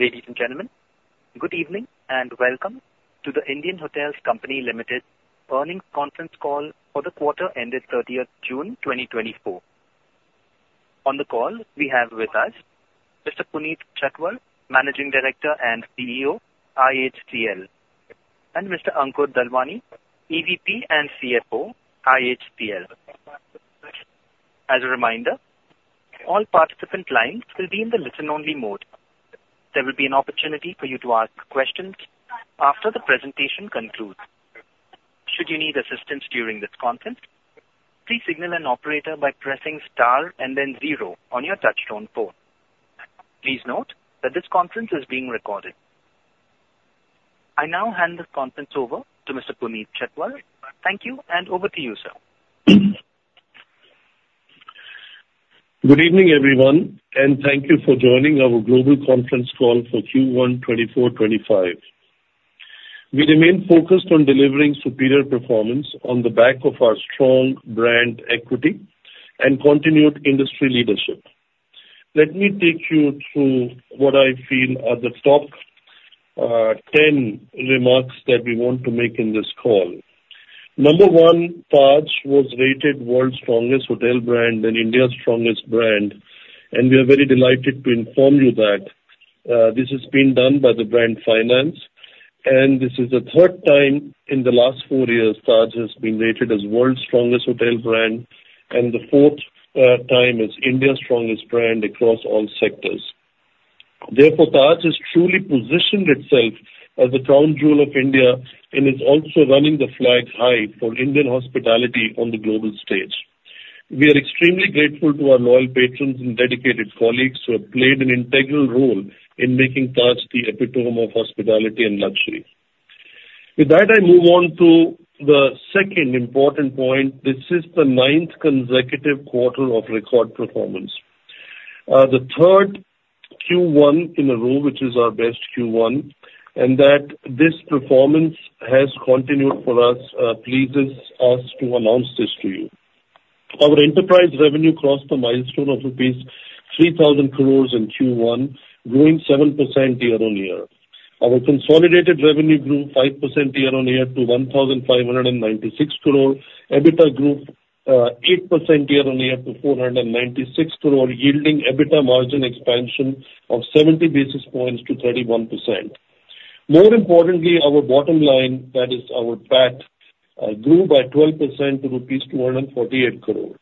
Ladies and gentlemen, good evening, and welcome to the Indian Hotels Company Limited Earnings Conference Call for the quarter ended 30th June 2024. On the call, we have with us Mr. Puneet Chhatwal, Managing Director and CEO, IHCL, and Mr. Ankur Dalwani, EVP and CFO, IHCL. As a reminder, all participant lines will be in the listen-only mode. There will be an opportunity for you to ask questions after the presentation concludes. Should you need assistance during this conference, please signal an operator by pressing star and then zero on your touchtone phone. Please note that this conference is being recorded. I now hand this conference over to Mr. Puneet Chhatwal. Thank you, and over to you, sir. Good evening, everyone, and thank you for joining our global conference call for Q1 2024/2025. We remain focused on delivering superior performance on the back of our strong brand equity and continued industry leadership. Let me take you through what I feel are the top 10 remarks that we want to make in this call. Number one, Taj was rated World's Strongest Hotel Brand and India's Strongest Brand, and we are very delighted to inform you that this has been done by Brand Finance, and this is the third time in the last 4 years Taj has been rated as World's Strongest Hotel Brand and the fourth time as India's Strongest Brand across all sectors. Therefore, Taj has truly positioned itself as the crown jewel of India and is also running the flag high for Indian hospitality on the global stage. We are extremely grateful to our loyal patrons and dedicated colleagues who have played an integral role in making Taj the epitome of hospitality and luxury. With that, I move on to the second important point. This is the ninth consecutive quarter of record performance. The third Q1 in a row, which is our best Q1, and that this performance has continued for us, pleases us to announce this to you. Our enterprise revenue crossed the milestone of rupees 3,000 crore in Q1, growing 7% year-on-year. Our consolidated revenue grew 5% year-on-year to 1,596 crore. EBITDA grew 8% year-on-year to 496 crore, yielding EBITDA margin expansion of 70 basis points to 31%. More importantly, our bottom line, that is our PAT, grew by 12% to rupees 248 crore.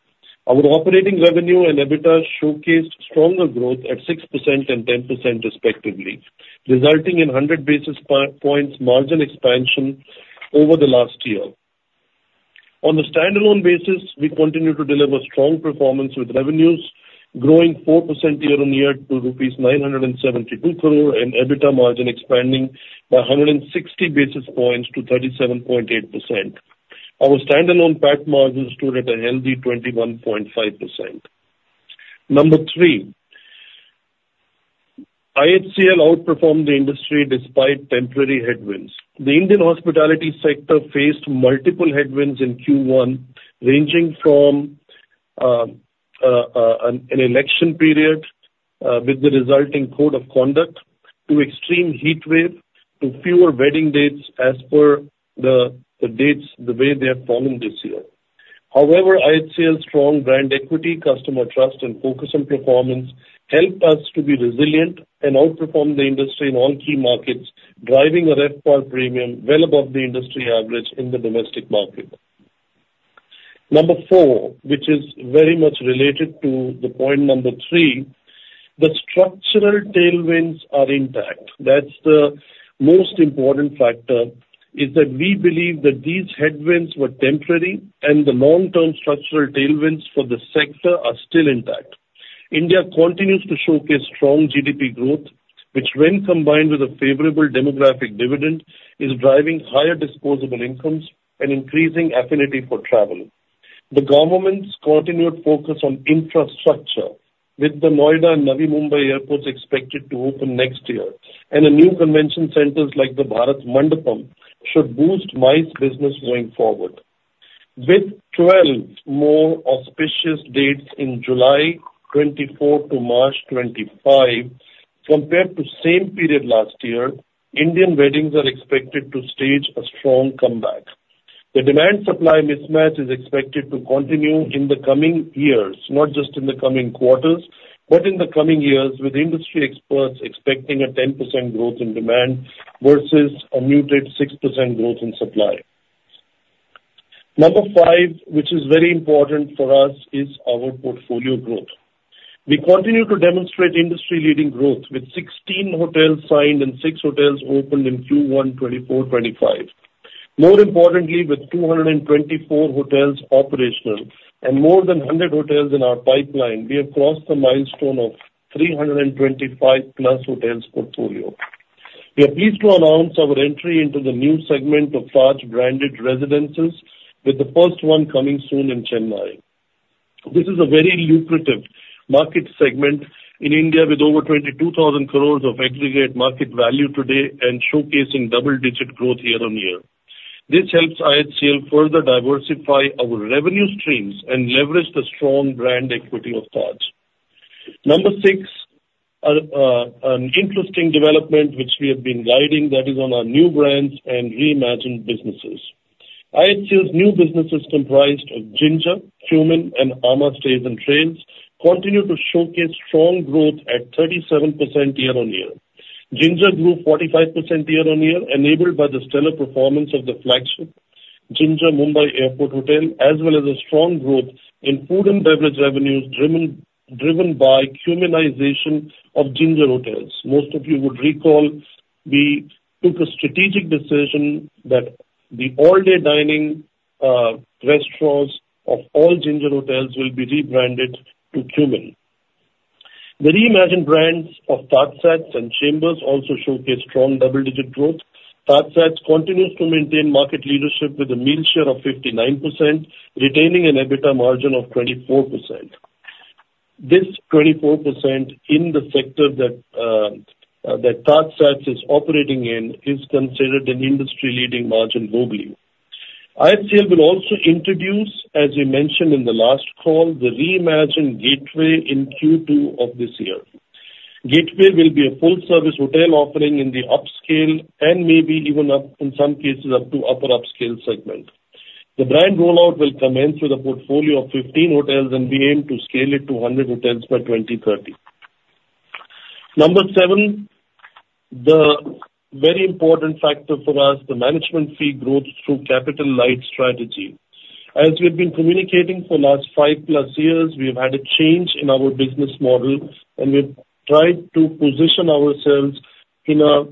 Our operating revenue and EBITDA showcased stronger growth at 6% and 10% respectively, resulting in 100 basis points margin expansion over the last year. On a standalone basis, we continue to deliver strong performance with revenues growing 4% year-on-year to rupees 972 crore, and EBITDA margin expanding by 160 basis points to 37.8%. Our standalone PAT margin stood at a healthy 21.5%. Number three, IHCL outperformed the industry despite temporary headwinds. The Indian hospitality sector faced multiple headwinds in Q1, ranging from an election period with the resulting code of conduct, to extreme heat wave, to fewer wedding dates as per the dates, the way they have fallen this year. However, IHCL's strong brand equity, customer trust, and focus on performance helped us to be resilient and outperform the industry in all key markets, driving a RevPAR premium well above the industry average in the domestic market. Number four, which is very much related to the point number three, the structural tailwinds are intact. That's the most important factor, is that we believe that these headwinds were temporary and the long-term structural tailwinds for the sector are still intact. India continues to showcase strong GDP growth, which when combined with a favorable demographic dividend, is driving higher disposable incomes and increasing affinity for travel. The government's continued focus on infrastructure with the Noida and Navi Mumbai airports expected to open next year, and the new convention centers like the Bharat Mandapam, should boost MICE business going forward. With 12 more auspicious dates in July 2024 to March 2025 compared to same period last year, Indian weddings are expected to stage a strong comeback. The demand-supply mismatch is expected to continue in the coming years, not just in the coming quarters, but in the coming years, with industry experts expecting a 10% growth in demand versus a muted 6% growth in supply. Number five, which is very important for us, is our portfolio growth. We continue to demonstrate industry-leading growth with 16 hotels signed and six hotels opened in Q1 2024, 2025. More importantly, with 224 hotels operational and more than 100 hotels in our pipeline, we have crossed the milestone of 325+ hotels portfolio. We are pleased to announce our entry into the new segment of Taj Branded Residences, with the first one coming soon in Chennai. This is a very lucrative market segment in India, with over 22,000 crore of aggregate market value today and showcasing double-digit growth year-on-year. This helps IHCL further diversify our revenue streams and leverage the strong brand equity of Taj. Number six, an interesting development which we have been guiding that is on our new brands and reimagined businesses. IHCL's new businesses comprised of Ginger, Qmin, and amã Stays & Trails, continue to showcase strong growth at 37% year-on-year. Ginger grew 45% year-on-year, enabled by the stellar performance of the flagship Ginger Mumbai Airport Hotel, as well as a strong growth in food and beverage revenues, driven by Qminization of Ginger hotels. Most of you would recall, we took a strategic decision that the all-day dining restaurants of all Ginger hotels will be rebranded to Qmin. The reimagined brands of TajSATS and Chambers also showcase strong double-digit growth. TajSATS continues to maintain market leadership with a meal share of 59%, retaining an EBITDA margin of 24%. This 24% in the sector that that TajSATS is operating in, is considered an industry-leading margin globally. IHCL will also introduce, as we mentioned in the last call, the reimagined Gateway in Q2 of this year. Gateway will be a full-service hotel offering in the upscale and maybe even up, in some cases, up to upper upscale segment. The brand rollout will commence with a portfolio of 15 hotels and we aim to scale it to 100 hotels by 2030. Number seven, the very important factor for us, the management fee growth through capital-light strategy. As we have been communicating for last five plus years, we have had a change in our business model, and we've tried to position ourselves in a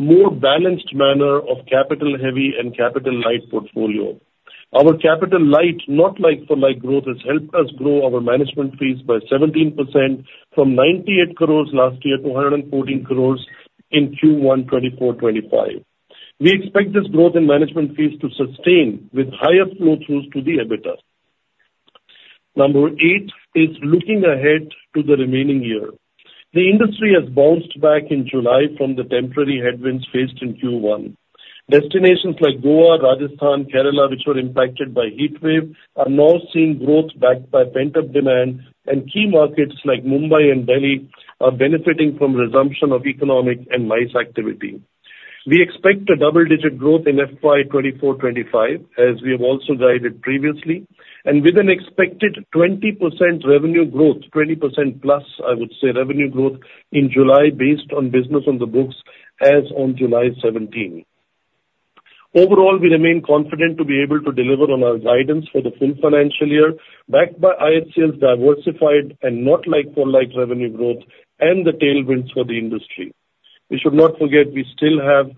more balanced manner of capital-heavy and capital-light portfolio. Our capital light, not like for like growth, has helped us grow our management fees by 17% from 98 crore last year to 114 crore in Q1 2024/2025. We expect this growth in management fees to sustain with higher flow-throughs to the EBITDA. Number eight is looking ahead to the remaining year. The industry has bounced back in July from the temporary headwinds faced in Q1. Destinations like Goa, Rajasthan, Kerala, which were impacted by heatwave, are now seeing growth backed by pent-up demand, and key markets like Mumbai and Delhi are benefiting from resumption of economic and MICE activity. We expect double-digit growth in FY 2024/2025, as we have also guided previously, and with an expected 20% revenue growth, 20%+, I would say, revenue growth in July based on business on the books as on July 17. Overall, we remain confident to be able to deliver on our guidance for the full financial year, backed by IHCL's diversified and not like-for-like revenue growth and the tailwinds for the industry. We should not forget we still have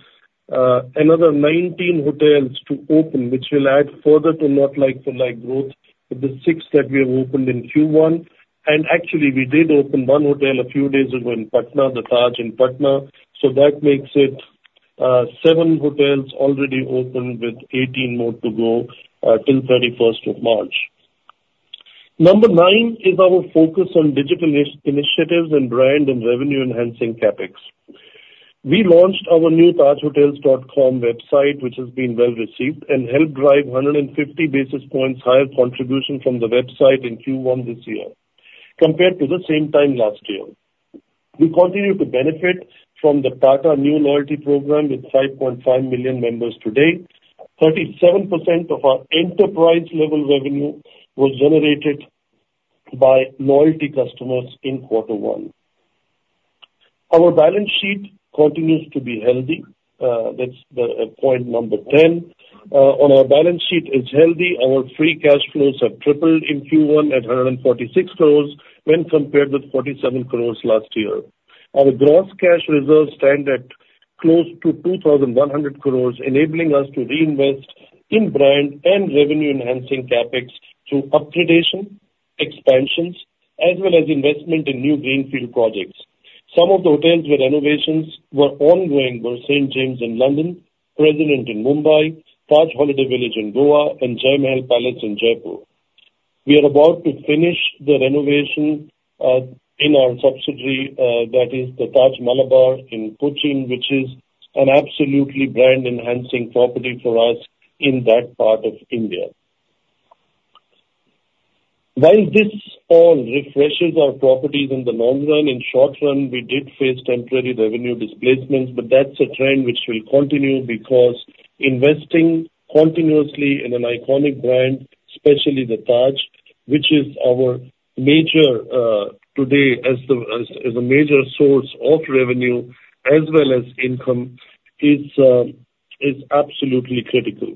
another 19 hotels to open, which will add further to not like-for-like growth, with the six that we have opened in Q1. Actually, we did open one hotel a few days ago in Patna, the Taj in Patna. So that makes it seven hotels already opened, with 18 more to go, till March 31. Number nine is our focus on digital initiatives and brand and revenue-enhancing CapEx. We launched our new tajhotels.com website, which has been well received and helped drive 150 basis points higher contribution from the website in Q1 this year compared to the same time last year. We continue to benefit from the Tata Neu loyalty program, with 5.5 million members today. 37% of our enterprise-level revenue was generated by loyalty customers in quarter one. Our balance sheet continues to be healthy, that's the point number 10. On our balance sheet is healthy. Our free cash flows have tripled in Q1 at 146 crores when compared with 47 crores last year. Our gross cash reserves stand at close to 2,100 crores, enabling us to reinvest in brand and revenue-enhancing CapEx through upgradation, expansions, as well as investment in new greenfield projects. Some of the hotels with renovations were ongoing, were St. James in London, President in Mumbai, Taj Holiday Village in Goa, and Jai Mahal Palace in Jaipur. We are about to finish the renovation in our subsidiary, that is the Taj Malabar in Cochin, which is an absolutely brand-enhancing property for us in that part of India. While this all refreshes our properties in the long run, in short run, we did face temporary revenue displacements, but that's a trend which will continue because investing continuously in an iconic brand, especially the Taj, which is our major today, as the—as, as a major source of revenue as well as income, is absolutely critical.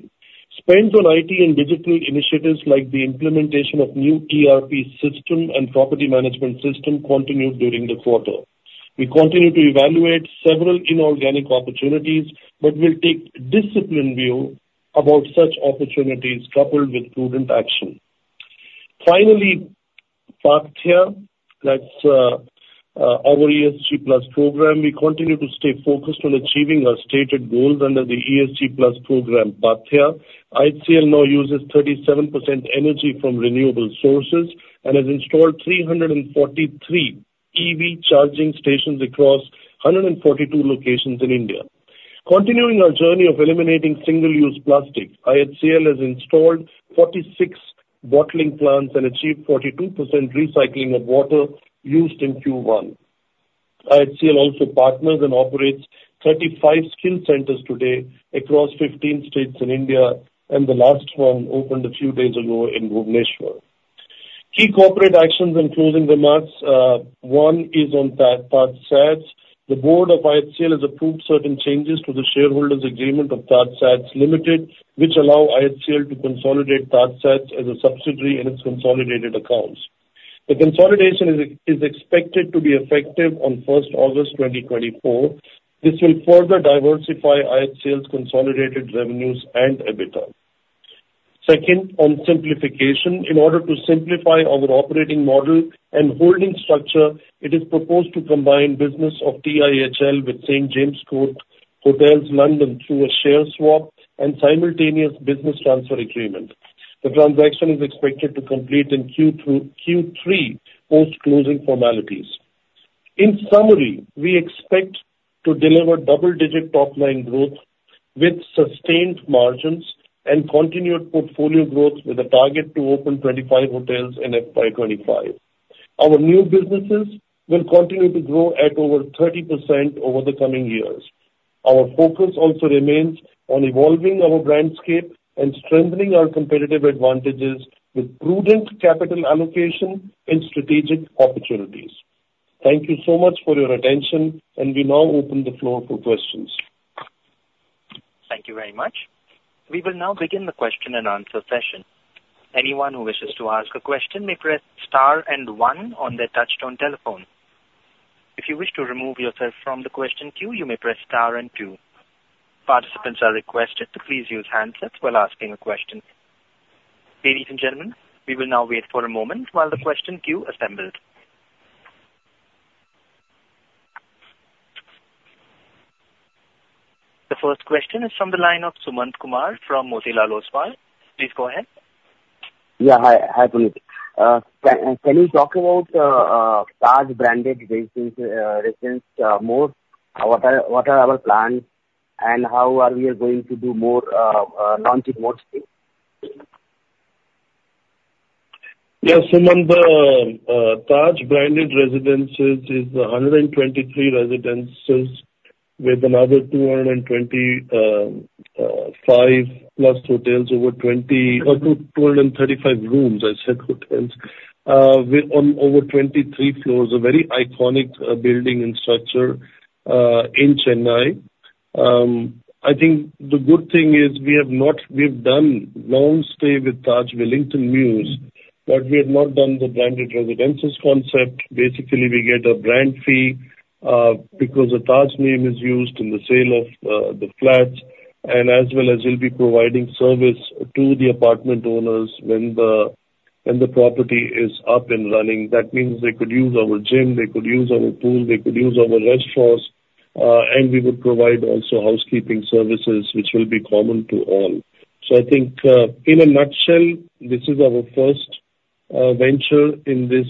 Spends on IT and digital initiatives, like the implementation of new ERP system and property management system, continued during the quarter. We continue to evaluate several inorganic opportunities, but we'll take disciplined view about such opportunities, coupled with prudent action. Finally, Paathya, that's our ESG Plus program. We continue to stay focused on achieving our stated goals under the ESG+ program, Paathya. IHCL now uses 37% energy from renewable sources and has installed 343. EV charging stations across 142 locations in India. Continuing our journey of eliminating single-use plastic, IHCL has installed 46 bottling plants and achieved 42% recycling of water used in Q1. IHCL also partners and operates 35 skill centers today across 15 states in India, and the last one opened a few days ago in Bhubaneswar. Key corporate actions and closing remarks, one is on TajSATS. The board of IHCL has approved certain changes to the shareholders' agreement of TajSATS Limited, which allow IHCL to consolidate TajSATS as a subsidiary in its consolidated accounts. The consolidation is expected to be effective on first August 2024. This will further diversify IHCL's consolidated revenues and EBITDA. Second, on simplification, in order to simplify our operating model and holding structure, it is proposed to combine business of TIHL with St. James' Court Hotel, London, through a share swap and simultaneous business transfer agreement. The transaction is expected to complete in Q2-Q3 post-closing formalities. In summary, we expect to deliver double-digit top line growth with sustained margins and continued portfolio growth, with a target to open 25 hotels in FY 2025. Our new businesses will continue to grow at over 30% over the coming years. Our focus also remains on evolving our brandscape and strengthening our competitive advantages with prudent capital allocation and strategic opportunities. Thank you so much for your attention, and we now open the floor for questions. Thank you very much. We will now begin the question and answer session. Anyone who wishes to ask a question may press star and one on their touchtone telephone. If you wish to remove yourself from the question queue, you may press star and two. Participants are requested to please use handsets while asking a question. Ladies and gentlemen, we will now wait for a moment while the question queue assembles. The first question is from the line of Sumant Kumar from Motilal Oswal. Please go ahead. Yeah, hi. Hi, Puneet. Can you talk about Taj Branded Residence more? What are our plans, and how are we going to do more launch in more space? Yes, Sumant, the Taj Branded Residences is 123 residences with another 225+ hotels, over 20 or 235 rooms. I said hotels. With on over 23 floors, a very iconic building and structure in Chennai. I think the good thing is we have not. We've done long stay with Taj Wellington Mews, but we have not done the branded residences concept. Basically, we get a brand fee because the Taj name is used in the sale of the flats, and as well as we'll be providing service to the apartment owners when the property is up and running. That means they could use our gym, they could use our pool, they could use our restaurants, and we would provide also housekeeping services, which will be common to all. So I think, in a nutshell, this is our first venture in this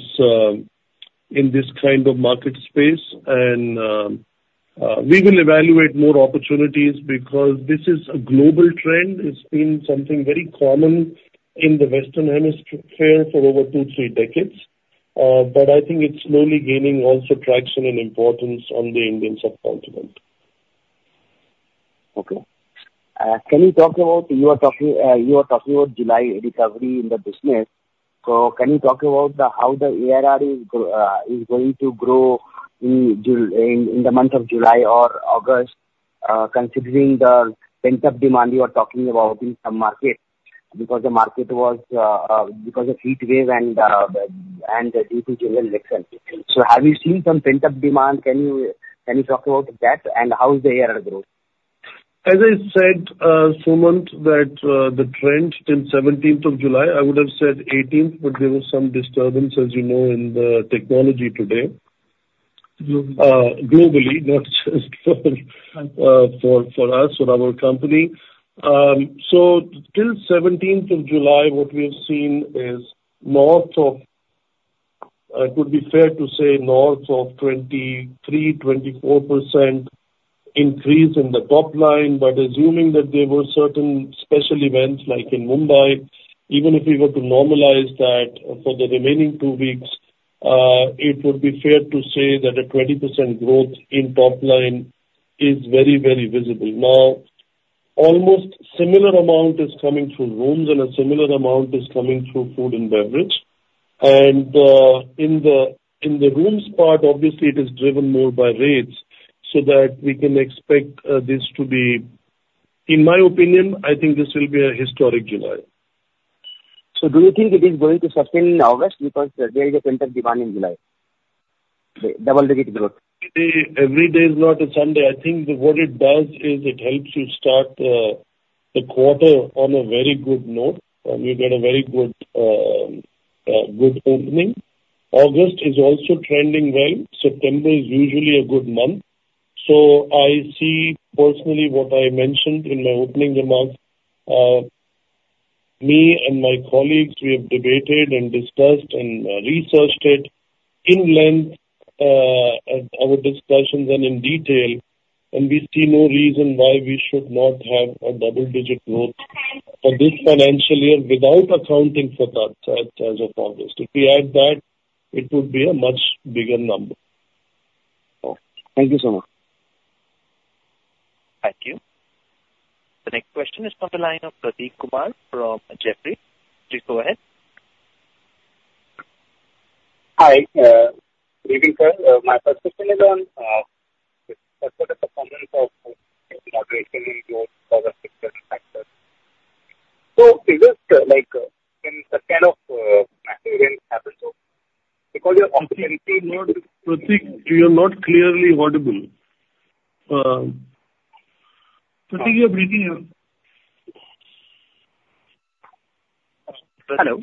kind of market space. And we will evaluate more opportunities because this is a global trend. It's been something very common in the Western hemisphere for over two, three decades. But I think it's slowly gaining also traction and importance on the Indian subcontinent. Okay. Can you talk about you are talking about July recovery in the business. So can you talk about how the ARR is going to grow in the month of July or August, considering the pent-up demand you are talking about in some markets? Because the market was because of heatwave and due to general election. So have you seen some pent-up demand? Can you talk about that, and how is the ARR growth? As I said, Sumant, that the trend till the 17th of July, I would have said 18th, but there was some disturbance, as you know, in the technology today. Global. Globally, not just for us or our company. So till 17th of July, what we have seen is north of, it would be fair to say, north of 23%-24% increase in the top line. But assuming that there were certain special events, like in Mumbai, even if we were to normalize that for the remaining two weeks, it would be fair to say that a 20% growth in top line is very, very visible. Now, almost similar amount is coming through rooms, and a similar amount is coming through food and beverage. In the rooms part, obviously it is driven more by rates, so that we can expect this to be. In my opinion, I think this will be a historic July. So do you think it is going to sustain in August? Because there is a pent-up demand in July, the double-digit growth. Every day is not a Sunday. I think what it does is it helps you start the quarter on a very good note, and we've got a very good opening. August is also trending well. September is usually a good month. So I see personally what I mentioned in my opening remarks. Me and my colleagues, we have debated and discussed and researched it at length at our discussions and in detail, and we see no reason why we should not have a double digit growth for this financial year without accounting for Taj, as of August. If we add that, it would be a much bigger number. Thank you so much. Thank you. The next question is on the line of Prateek Kumar from Jefferies. Please go ahead. Hi, good evening, sir. My first question is on the performance of. [inaudible] So is this like in the kind of macro events happen, so because your occupancy not- Prateek, you are not clearly audible. Prateek, you are breaking up. Hello.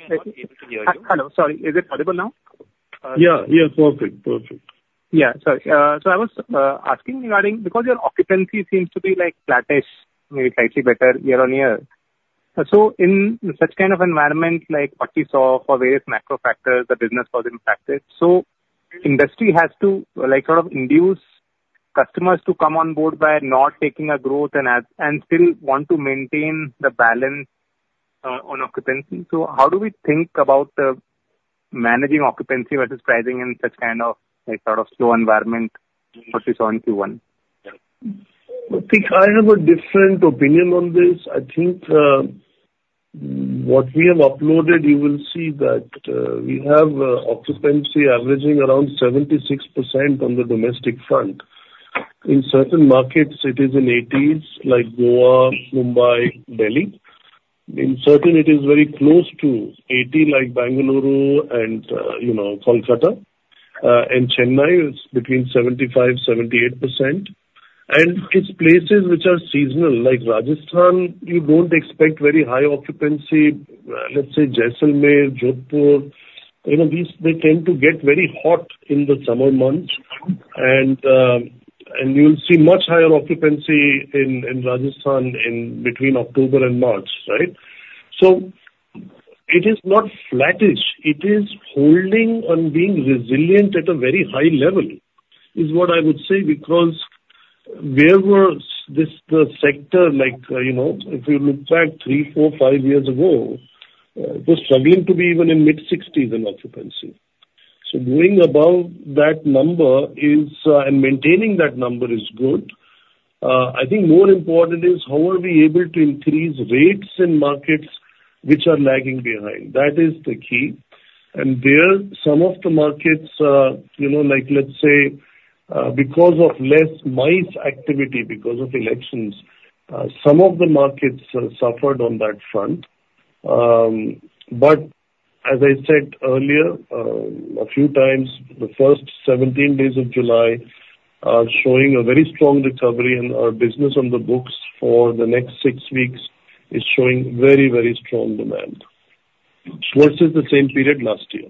Hello, sorry. Is it audible now? Yeah, yeah, perfect. Perfect. Yeah. Sorry. So I was asking regarding, because your occupancy seems to be, like, flattish, maybe slightly better year-on-year. So in such kind of environment, like what we saw for various macro factors, the business was impacted. So industry has to like sort of induce customers to come on board by not taking a growth and still want to maintain the balance on occupancy. So how do we think about managing occupancy versus pricing in such kind of like sort of slow environment what we saw in Q1? Prateek, I have a different opinion on this. I think what we have uploaded, you will see that we have occupancy averaging around 76% on the domestic front. In certain markets, it is in the 80s, like Goa, Mumbai, Delhi. In certain it is very close to 80, like Bengaluru and, you know, Kolkata. In Chennai, it's between 75-78%. And it's places which are seasonal, like Rajasthan, you don't expect very high occupancy. Let's say Jaisalmer, Jodhpur, you know, these, they tend to get very hot in the summer months. And you'll see much higher occupancy in Rajasthan in between October and March, right? So it is not flattish, it is holding on being resilient at a very high level, is what I would say, because wherever this sector, like, you know, if you look back three, four, five years ago, it was struggling to be even in mid-60s in occupancy. So going above that number is, and maintaining that number is good. I think more important is how are we able to increase rates in markets which are lagging behind? That is the key. And there, some of the markets, you know, like, let's say, because of less MICE activity, because of elections, some of the markets suffered on that front. But as I said earlier, a few times, the first 17 days of July are showing a very strong recovery, and our business on the books for the next six weeks is showing very, very strong demand versus the same period last year.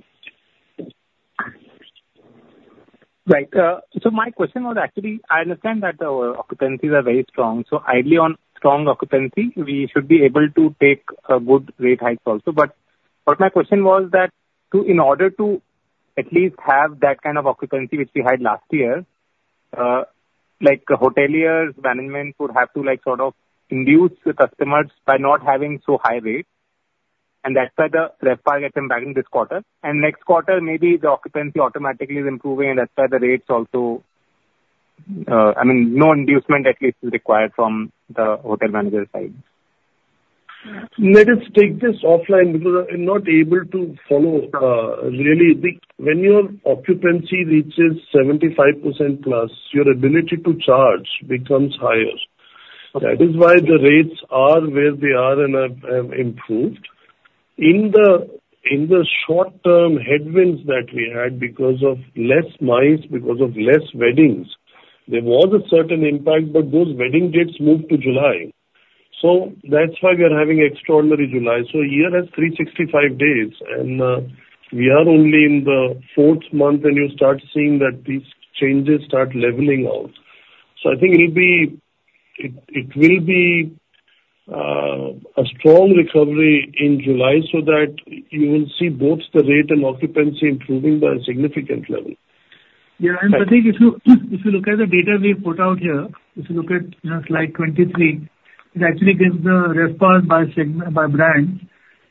Right. So my question was actually, I understand that our occupancies are very strong, so ideally on strong occupancy, we should be able to take a good rate hike also. But, but my question was that to, in order to at least have that kind of occupancy which we had last year, like hoteliers, management would have to like sort of induce the customers by not having so high rates, and that's why the RevPAR gets impacted this quarter. And next quarter, maybe the occupancy automatically is improving, and that's why the rates also, I mean, no inducement at least is required from the hotel manager side. Let us take this offline because I'm not able to follow. Really, when your occupancy reaches 75%+, your ability to charge becomes higher. Okay. That is why the rates are where they are and have improved. In the short term headwinds that we had, because of less MICE, because of less weddings, there was a certain impact, but those wedding dates moved to July. So that's why we are having extraordinary July. So a year has 365 days, and we are only in the fourth month, and you start seeing that these changes start leveling out. So I think it'll be. It will be a strong recovery in July, so that you will see both the rate and occupancy improving by a significant level. Yeah, and Prateek, if you look at the data we've put out here, if you look at, you know, slide 23, it actually gives the response by segment, by brand.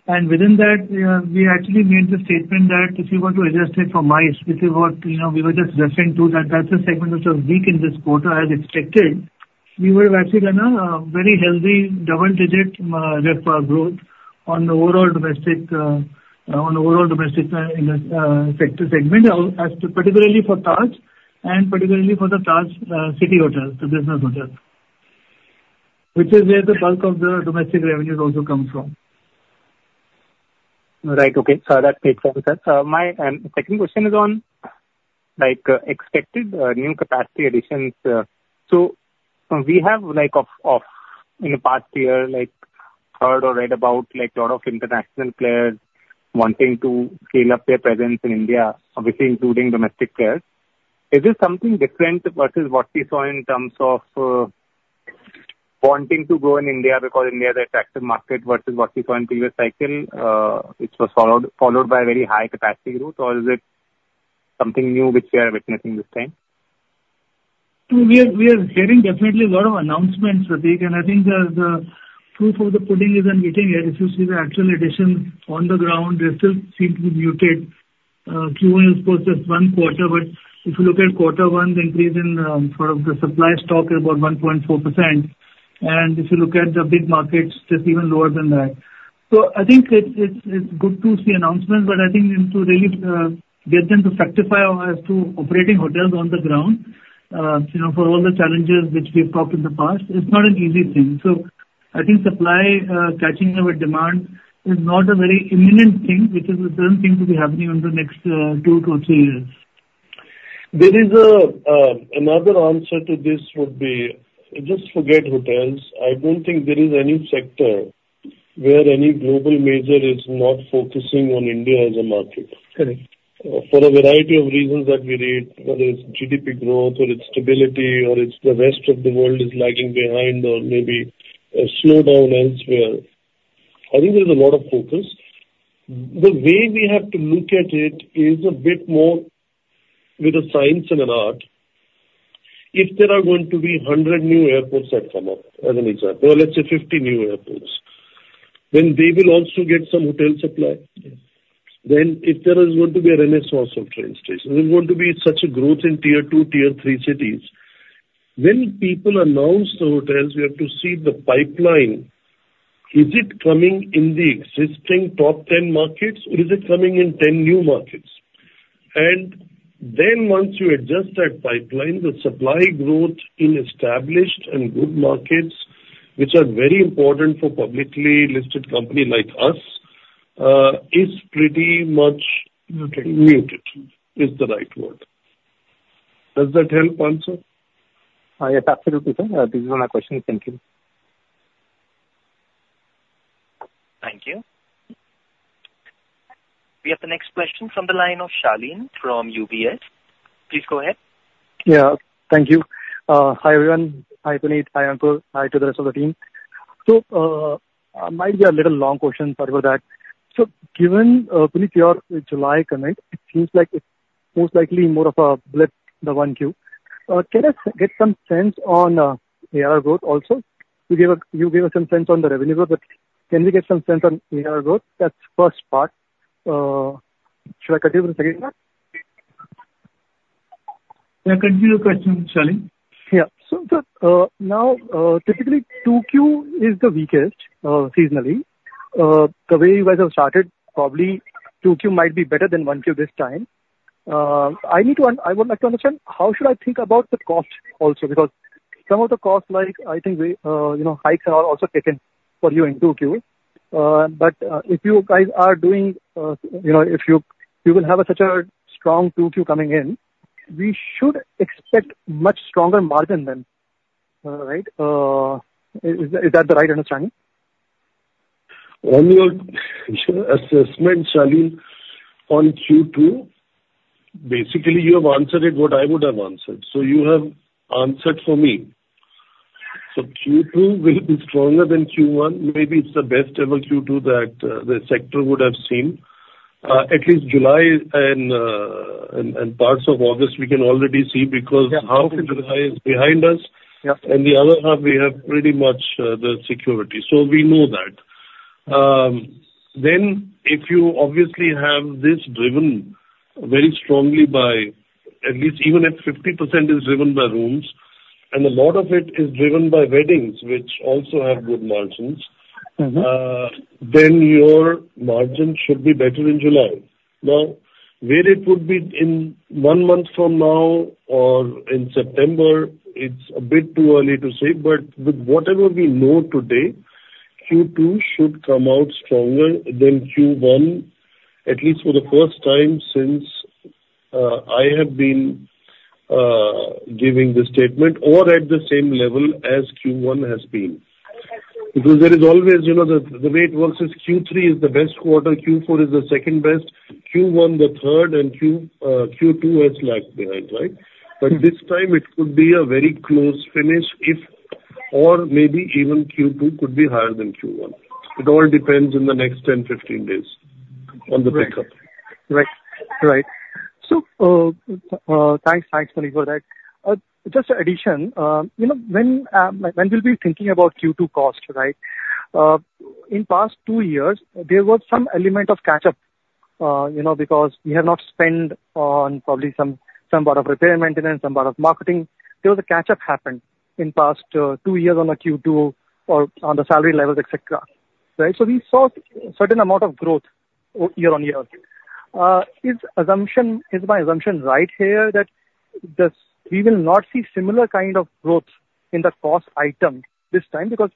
And within that, we actually made the statement that if you were to adjust it for MICE, which is what, you know, we were just referring to, that's the segment which was weak in this quarter as expected, we were actually on a very healthy double-digit RevPAR growth on the overall domestic, on the overall domestic, in the sector segment, as to particularly for Taj and particularly for the Taj city hotels, the business hotels, which is where the bulk of the domestic revenues also come from. Right. Okay. So that makes sense, sir. My second question is on like expected new capacity additions. So we have like in the past year like heard or read about like lot of international players wanting to scale up their presence in India, obviously including domestic players. Is this something different versus what we saw in terms of wanting to go in India because India is an attractive market versus what we saw in previous cycle, which was followed by very high capacity growth? Or is it something new which we are witnessing this time? So we are getting definitely a lot of announcements, Prateek, and I think the proof of the pudding is in eating it. If you see the actual addition on the ground, they still seem to be muted. Q1 is of course just one quarter, but if you look at quarter one, the increase in sort of the supply stock is about 1.4%. And if you look at the big markets, it's even lower than that. So I think it's good to see announcements, but I think until they get them to fructify as to operating hotels on the ground, you know, for all the challenges which we've talked in the past, it's not an easy thing. I think supply catching up with demand is not a very imminent thing, which is the same thing to be happening in the next two to three years. There is another answer to this would be just forget hotels. I don't think there is any sector where any global major is not focusing on India as a market. Correct. For a variety of reasons that we read, whether it's GDP growth or it's stability, or it's the rest of the world is lagging behind or maybe a slowdown elsewhere. I think there is a lot of focus. The way we have to look at it is a bit more with a science and an art. If there are going to be 100 new airports that come up, as an example, or let's say 50 new airports, then they will also get some hotel supply. Then, if there is going to be a renaissance of train stations, there's going to be such a growth in Tier 2, Tier 3 cities. When people announce the hotels, we have to see the pipeline. Is it coming in the existing top 10 markets, or is it coming in 10 new markets? And then once you adjust that pipeline, the supply growth in established and good markets, which are very important for publicly listed company like us, is pretty much- Muted. Muted is the right word. Does that help also? Yes, absolutely, sir. This is my question. Thank you. Thank you. We have the next question from the line of Shaleen from UBS. Please go ahead. Yeah, thank you. Hi, everyone. Hi, Puneet. Hi, Ankur. Hi to the rest of the team. So, might be a little long question, sorry about that. So given, Puneet, your July comment, it seems like it's most likely more of a blip, the 1Q. Can I get some sense on, ARR growth also? You gave us some sense on the revenue growth, but can we get some sense on ARR growth? That's first part. Should I continue with the second one? Yeah, continue your question, Shaleen. Yeah. So, now, typically, 2Q is the weakest seasonally. The way you guys have started, probably 2Q might be better than 1Q this time. I need to—I would like to understand, how should I think about the cost also? Because some of the costs, like, I think, you know, hikes are also taken for you in 2Q. But, if you guys are doing, you know, if you will have such a strong 2Q coming in, we should expect much stronger margin then, right? Is that the right understanding? On your assessment, Shaleen, on Q2, basically, you have answered it what I would have answered. So you have answered for me. So Q2 will be stronger than Q1. Maybe it's the best ever Q2 that the sector would have seen. At least July and parts of August, we can already see because- Yeah. Half of July is behind us. Yeah. The other half, we have pretty much, the security. So we know that. Then if you obviously have this driven very strongly by at least even at 50% is driven by rooms, and a lot of it is driven by weddings, which also have good margins. Mm-hmm. Then your margin should be better in July. Now, where it would be in one month from now or in September, it's a bit too early to say, but with whatever we know today, Q2 should come out stronger than Q1, at least for the first time since I have been giving this statement or at the same level as Q1 has been. Because there is always, you know, the way it works is Q3 is the best quarter, Q4 is the second best, Q1 the third, and Q2 has lagged behind, right? Mm-hmm. But this time it could be a very close finish if or maybe even Q2 could be higher than Q1. It all depends in the next 10, 15 days on the pickup. Right. Right. So, thanks, thanks, Puneet, for that. Just an addition, you know, when, when we'll be thinking about Q2 cost, right? In past two years, there was some element of catch-up, you know, because we have not spent on probably some, some part of repair and maintenance, some part of marketing. There was a catch-up happened in past, two years on a Q2 or on the salary levels, et cetera, right? So we saw certain amount of growth year-on-year. Is assumption, is my assumption right here, that we will not see similar kind of growth in the cost item this time? Because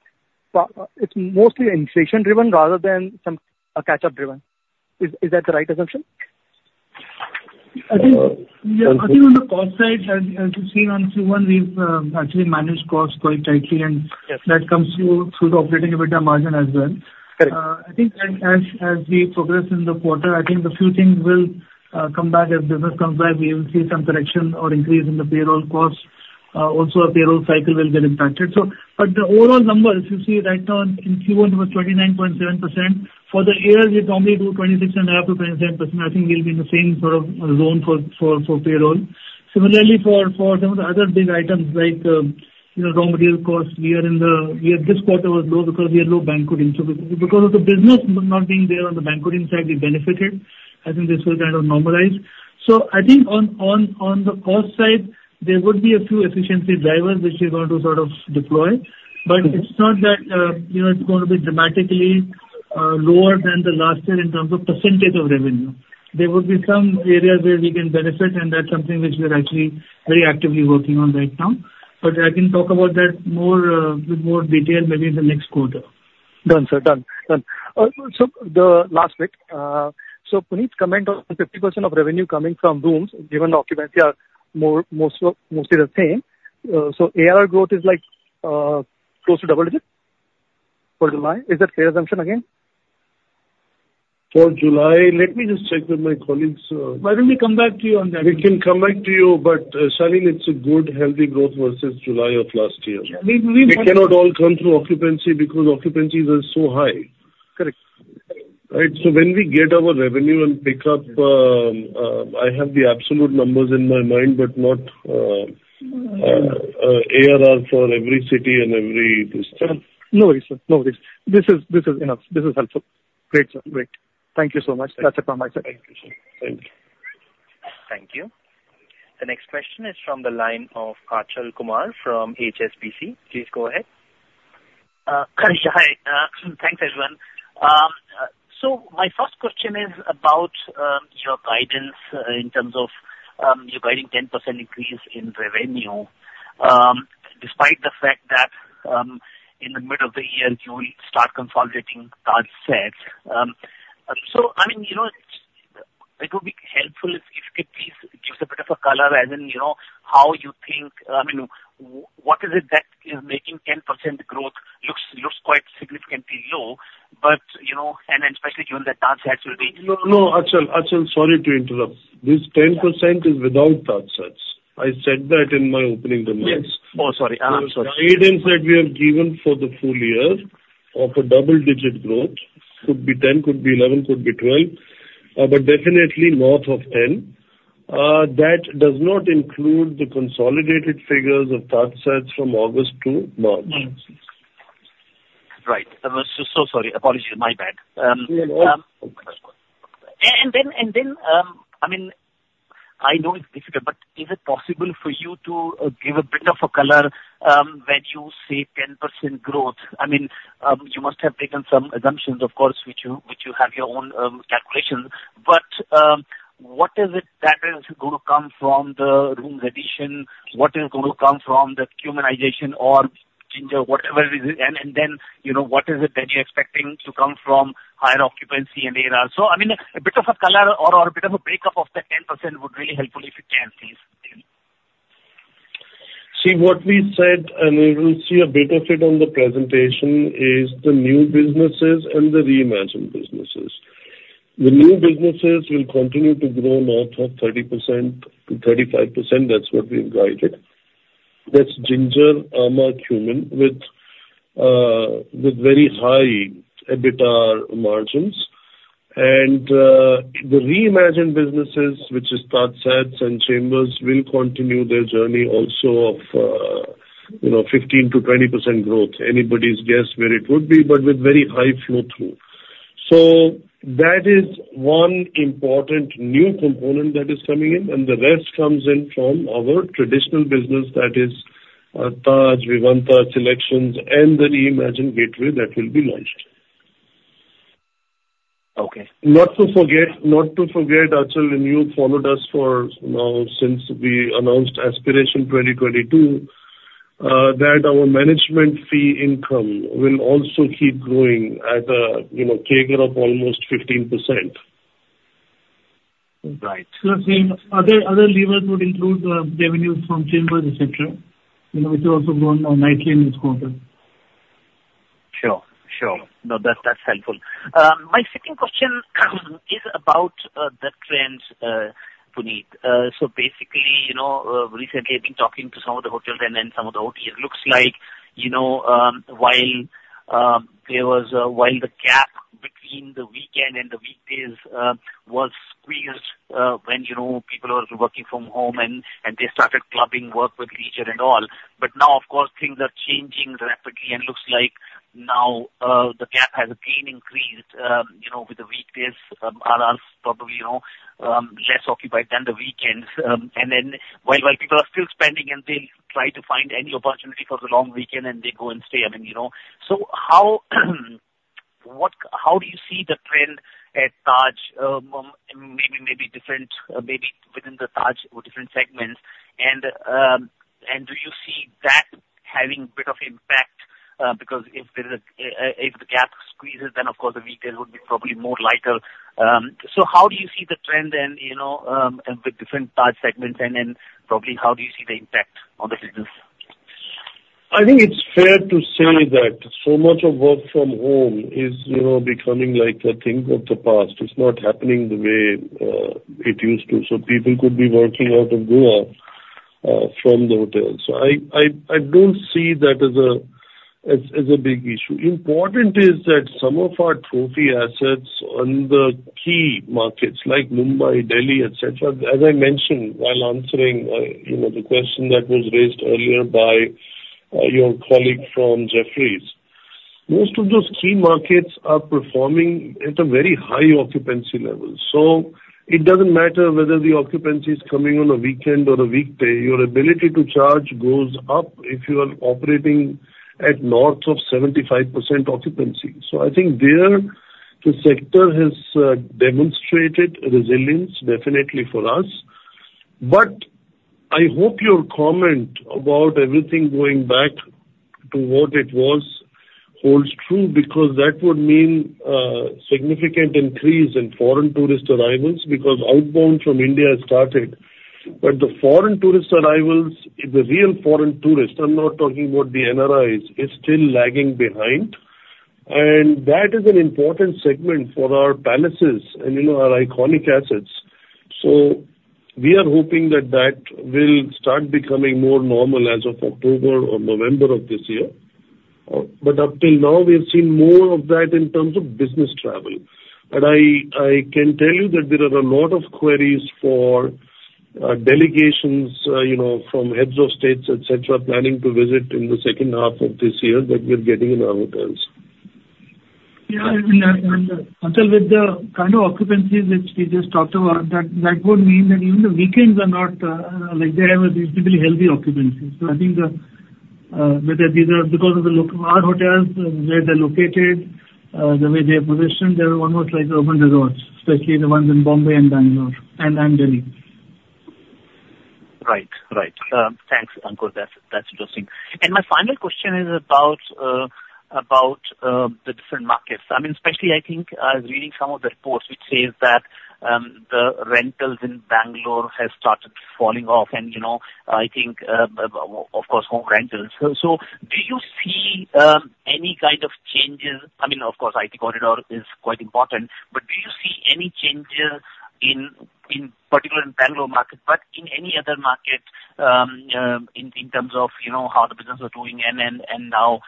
it's mostly inflation driven rather than some, catch-up driven. Is, is that the right assumption? I think, yeah, I think on the cost side, as you've seen on Q1, we've actually managed costs quite tightly, and- Yes. that comes through, through the operating EBITDA margin as well. Correct. I think as we progress in the quarter, I think a few things will come back. As business comes back, we will see some correction or increase in the payroll costs. Also our payroll cycle will get impacted. But the overall numbers you see right now in Q1 was 29.7%. For the year, we normally do 26.5%-27%. I think we'll be in the same sort of zone for payroll. Similarly, for some of the other big items like, you know, raw material costs, we are in the. Yeah, this quarter was low because we had low banqueting. So because of the business not being there on the banqueting side, we benefited. I think this will kind of normalize. So I think on the cost side, there would be a few efficiency drivers which we're going to sort of deploy. But it's not that, you know, it's going to be dramatically lower than the last year in terms of percentage of revenue. There will be some areas where we can benefit, and that's something which we are actually very actively working on right now. But I can talk about that more with more detail maybe in the next quarter. Done, sir. Done, done. So the last bit, so Puneet's comment on 50% of revenue coming from rooms, given the occupancy are more, most of, mostly the same. So ARR growth is like close to double-digit for July? Is that fair assumption again? For July, let me just check with my colleagues. Why don't we come back to you on that? We can come back to you, but, Shaleen, it's a good, healthy growth versus July of last year. Yeah. We- It cannot all come through occupancy because occupancies are so high. Correct. Right? So when we get our revenue and pick up, I have the absolute numbers in my mind, but not ARR for every city and every district. No worries, sir. No worries. This is, this is enough. This is helpful. Great, sir. Great. Thank you so much. That's it from my side. Thank you, sir. Thank you. The next question is from the line of Achal Kumar from HSBC. Please go ahead. Hi. Thanks, everyone. So my first question is about your guidance in terms of you guiding 10% increase in revenue despite the fact that in the middle of the year, you will start consolidating TajSATS. So I mean, you know, it would be helpful if you could please give us a bit of a color as in, you know, how you think... I mean, what is it that is making 10% growth look quite significantly low, but, you know, and especially during the TajSATS will be- No, no, Achal, Achal, sorry to interrupt. This 10% is without TajSATS. I said that in my opening remarks. Yes. Oh, sorry. Sorry. The guidance that we have given for the full year of a double-digit growth could be 10, could be 11, could be 12, but definitely north of 10. That does not include the consolidated figures of TajSATS from August to March. Right. I'm so sorry. Apologies, my bad. Yeah. And then, I mean, I know it's difficult, but is it possible for you to give a bit of a color when you say 10% growth? I mean, you must have taken some assumptions, of course, which you have your own calculations, but what is it that is going to come from the rooms addition? What is going to come from the Qminization or Ginger, whatever it is? And then, you know, what is it that you're expecting to come from higher occupancy and ARR? So, I mean, a bit of a color or a bit of a breakup of that 10% would really helpful if you can, please. See, what we said, and you will see a bit of it on the presentation, is the new businesses and the reimagined businesses. The new businesses will continue to grow north of 30%-35%. That's what we've guided. That's Ginger, amã, Qmin, with, with very high EBITDA margins. And, the reimagined businesses, which is TajSATS and Chambers, will continue their journey also of, you know, 15%-20% growth. Anybody's guess where it would be, but with very high flow through. So that is one important new component that is coming in, and the rest comes in from our traditional business, that is, Taj, Vivanta, SeleQtions, and the reimagined Gateway that will be launched. Okay. Not to forget, not to forget, Achal, and you followed us for now since we announced Aspiration 2022, that our management fee income will also keep growing at a, you know, CAGR of almost 15%. Right. So, same other levers would include revenues from Chambers, et cetera. You know, it's also grown nicely in this quarter. Sure. Sure. No, that's, that's helpful. My second question is about the trends, Puneet. So basically, you know, recently I've been talking to some of the hotels and then some of the OTAs. It looks like, you know, while the gap between the weekend and the weekdays was squeezed when, you know, people are working from home and they started clubbing work with leisure and all. But now, of course, things are changing rapidly and looks like now the gap has again increased, you know, with the weekdays are probably, you know, less occupied than the weekends. And then while people are still spending, and they try to find any opportunity for the long weekend, and they go and stay, I mean, you know. How do you see the trend at Taj, maybe different, maybe within the Taj or different segments? And, and do you see that having a bit of impact? Because if there is a, if the gap squeezes, then of course the weekends would be probably more lighter. How do you see the trend and, you know, and with different Taj segments, and then probably, how do you see the impact on the business? I think it's fair to say that so much of work from home is, you know, becoming like a thing of the past. It's not happening the way it used to. So people could be working out of Goa from the hotels. So I don't see that as a big issue. Important is that some of our trophy assets on the key markets like Mumbai, Delhi, et cetera, as I mentioned while answering you know, the question that was raised earlier by your colleague from Jefferies. Most of those key markets are performing at a very high occupancy level. So it doesn't matter whether the occupancy is coming on a weekend or a weekday, your ability to charge goes up if you are operating at north of 75% occupancy. So I think there, the sector has demonstrated resilience definitely for us. But I hope your comment about everything going back to what it was holds true, because that would mean significant increase in foreign tourist arrivals, because outbound from India has started. But the foreign tourist arrivals, the real foreign tourists, I'm not talking about the NRIs, is still lagging behind. And that is an important segment for our palaces and, you know, our iconic assets. So we are hoping that that will start becoming more normal as of October or November of this year. But up till now, we have seen more of that in terms of business travel. I can tell you that there are a lot of queries for delegations, you know, from heads of state, et cetera, planning to visit in the second half of this year, that we're getting in our hotels. Yeah, I mean, and also with the kind of occupancy which we just talked about, that would mean that even the weekends are not, like, they have a reasonably healthy occupancy. So I think whether these are because of our hotels, where they're located, the way they are positioned, they are almost like urban resorts, especially the ones in Bombay and Bangalore and Delhi. Right. Right. Thanks, Ankur. That's interesting. And my final question is about the different markets. I mean, especially I think, I was reading some of the reports which says that the rentals in Bangalore has started falling off, and, you know, I think, of course, home rentals. So, so do you see any kind of changes? I mean, of course, IT corridor is quite important. But do you see any changes in, in particular in Bangalore market, but in any other market, in, in terms of, you know, how the business are doing, and then, and now,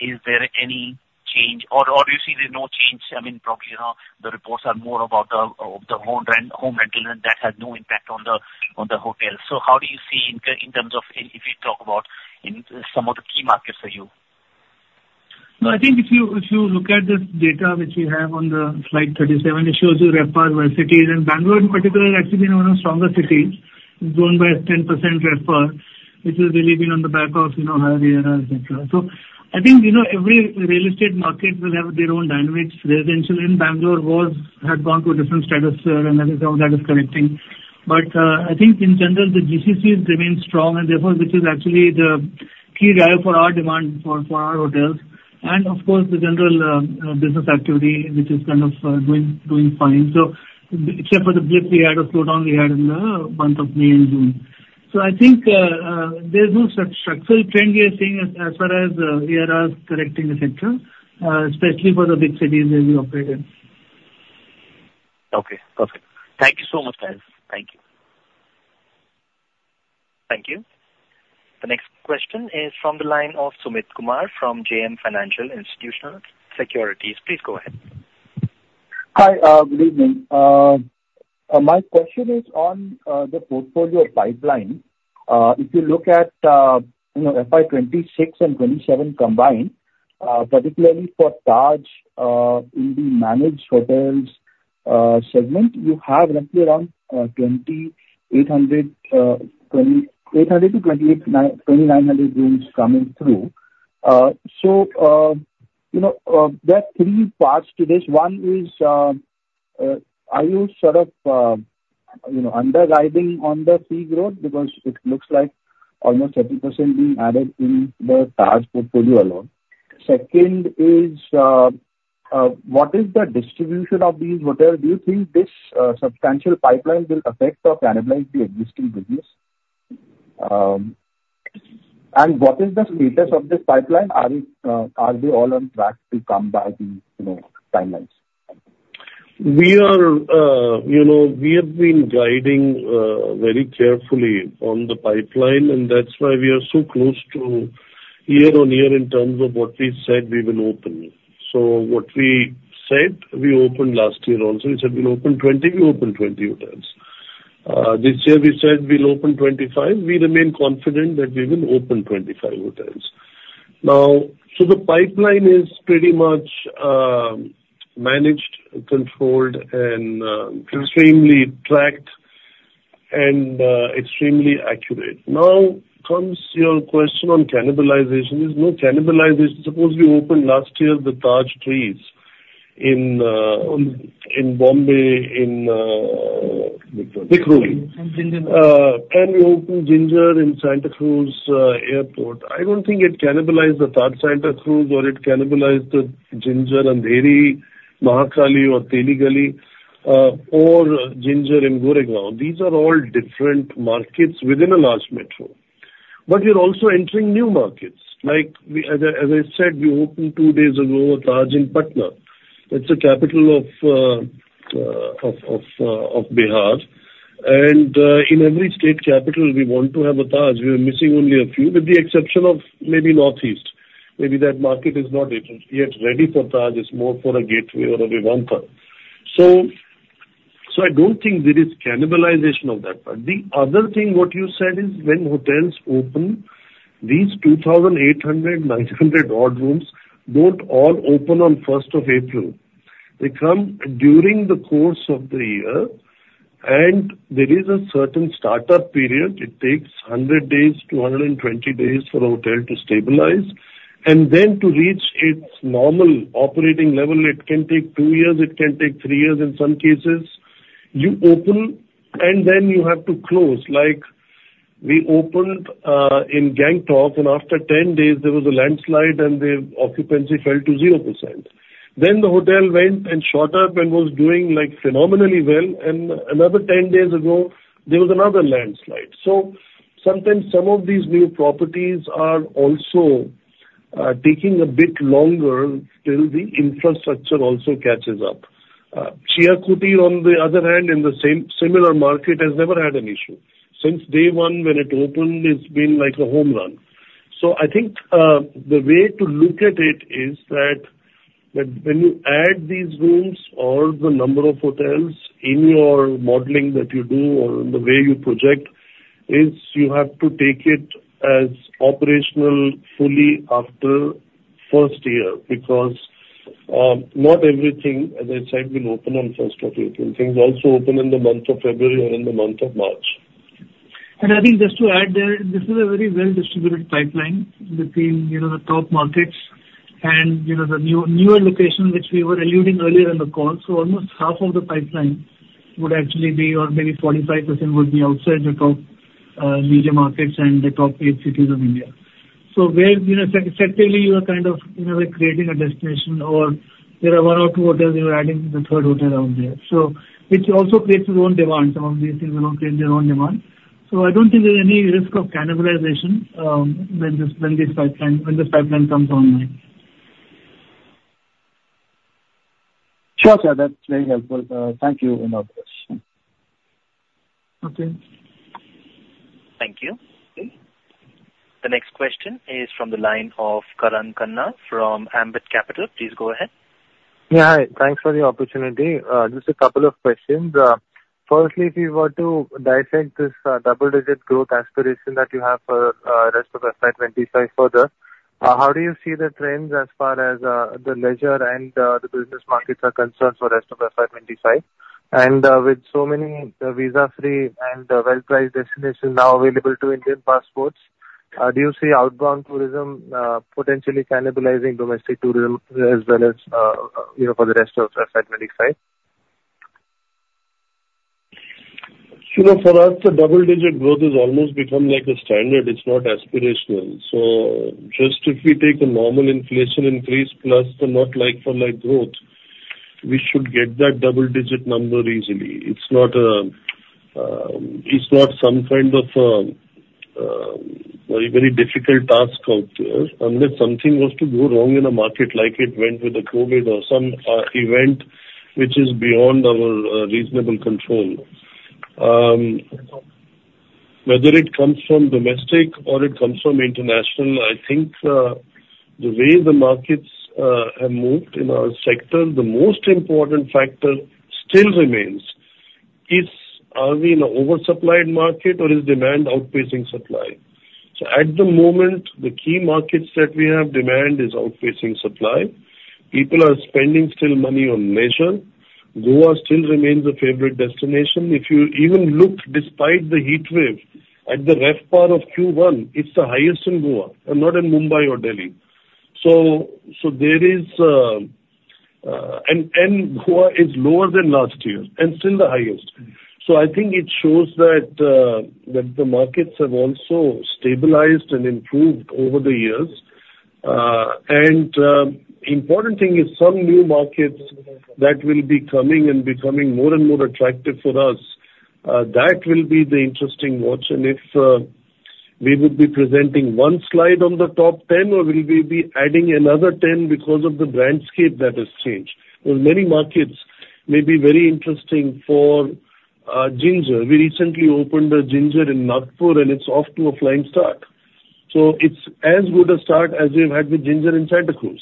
is there any change, or, or you see there's no change? I mean, probably, you know, the reports are more about the, the home rental, and that has no impact on the, on the hotel. So how do you see in terms of if you talk about in some of the key markets for you? No, I think if you look at the data which we have on the slide 37, it shows you RevPAR by cities, and Bengaluru in particular has actually been one of the stronger cities, grown by 10% RevPAR, which has really been on the back of, you know, higher ER, et cetera. So I think, you know, every real estate market will have their own dynamics. Residential in Bengaluru had gone through a different status, and I think all that is correcting. But I think in general, the GCC has remained strong, and therefore, which is actually the key driver for our demand for our hotels, and of course, the general business activity, which is kind of doing fine. So except for the blip we had or slowdown we had in the month of May and June. I think there's no such structural trend we are seeing as far as RevPARs are correcting, et cetera, especially for the big cities where we operate in. Okay. Perfect. Thank you so much, guys. Thank you. Thank you. The next question is from the line of Sumit Kumar from JM Financial Institutional Securities. Please go ahead. Hi, good evening. My question is on the portfolio pipeline. If you look at, you know, FY 2026 and 2027 combined, particularly for Taj, in the managed hotels segment, you have roughly around 2,800-2,900 rooms coming through. So, you know, there are three parts to this. One is, are you sort of, you know, under-guiding on the fee growth? Because it looks like almost 30% being added in the Taj portfolio alone. Second is, what is the distribution of these hotels? Do you think this substantial pipeline will affect or cannibalize the existing business? And what is the status of this pipeline? Are they all on track to come by the, you know, timelines? We are, you know, we have been guiding very carefully on the pipeline, and that's why we are so close to year-on-year in terms of what we said we will open. So what we said, we opened last year also. We said we'll open 20, we opened 20 hotels. This year we said we'll open 25. We remain confident that we will open 25 hotels. Now, so the pipeline is pretty much managed, controlled, and extremely tracked and extremely accurate. Now comes your question on cannibalization. There's no cannibalization. Suppose we opened last year, the Taj The Trees in Mumbai, in Vikhroli. And Ginger. And we opened Ginger in Santacruz Airport. I don't think it cannibalized the Taj Santacruz, or it cannibalized the Ginger Andheri, Mahakali or Teli Gali, or Ginger in Gurgaon. These are all different markets within a large metro. But we are also entering new markets, like, as I said, we opened two days ago, a Taj in Patna. It's a capital of Bihar. And in every state capital, we want to have a Taj. We are missing only a few, with the exception of maybe Northeast. Maybe that market is not different, yet ready for Taj; it's more for a Gateway or a Vivanta. So I don't think there is cannibalization of that part. The other thing, what you said is when hotels open, these 2,800, 900-odd rooms, don't all open on first of April. They come during the course of the year, and there is a certain start-up period. It takes 100 days to 120 days for a hotel to stabilize, and then to reach its normal operating level, it can take two years, it can take three years in some cases. You open, and then you have to close. Like, we opened in Gangtok, and after 10 days, there was a landslide and the occupancy fell to 0%. Then the hotel went and shot up and was doing, like, phenomenally well, and another 10 days ago, there was another landslide. So sometimes some of these new properties are also taking a bit longer till the infrastructure also catches up. Chia Kutir, on the other hand, in the same, similar market, has never had an issue. Since day one, when it opened, it's been like a home run. So I think, the way to look at it is that, that when you add these rooms or the number of hotels in your modeling that you do, or the way you project, is you have to take it as operational fully after first year. Because, not everything, as I said, will open on first of April. Things also open in the month of February or in the month of March. I think just to add there, this is a very well-distributed pipeline between, you know, the top markets and, you know, the new, newer locations which we were alluding earlier in the call. So almost half of the pipeline would actually be, or maybe 45% would be outside the top media markets and the top eight cities of India. So where, you know, sectorally, you are kind of, you know, like, creating a destination or there are one or two hotels, you are adding the third hotel out there. So it also creates your own demand. Some of these things, you know, create their own demand. So I don't think there's any risk of cannibalization when this pipeline comes online. Sure, sir, that's very helpful. Thank you in office. Okay. Thank you. The next question is from the line of Karan Khanna from Ambit Capital. Please go ahead. Yeah, hi. Thanks for the opportunity. Just a couple of questions. Firstly, if you were to dissect this double-digit growth aspiration that you have for rest of FY 2025 further, how do you see the trends as far as the leisure and the business markets are concerned for rest of FY 2025? And, with so many visa-free and well-priced destinations now available to Indian passports, do you see outbound tourism potentially cannibalizing domestic tourism as well as, you know, for the rest of FY 2025? You know, for us, the double-digit growth has almost become like a standard. It's not aspirational. So just if we take a normal inflation increase plus the not like for like growth, we should get that double digit number easily. It's not, it's not some kind of a, very, very difficult task out there, unless something was to go wrong in a market like it went with the COVID or some event which is beyond our reasonable control. Whether it comes from domestic or it comes from international, I think, the way the markets have moved in our sector, the most important factor still remains: are we in an oversupplied market or is demand outpacing supply? So at the moment, the key markets that we have, demand is outpacing supply. People are spending still money on leisure. Goa still remains a favorite destination. If you even look, despite the heat wave, at the RevPAR of Q1, it's the highest in Goa and not in Mumbai or Delhi. So there is, and Goa is lower than last year and still the highest. So I think it shows that the markets have also stabilized and improved over the years. And important thing is some new markets that will be coming and becoming more and more attractive for us, that will be the interesting watch. And if we would be presenting one slide on the top ten, or will we be adding another ten because of the brandscape that has changed? Well, many markets may be very interesting for Ginger. We recently opened a Ginger in Nagpur, and it's off to a flying start. So it's as good a start as we've had with Ginger in Santacruz.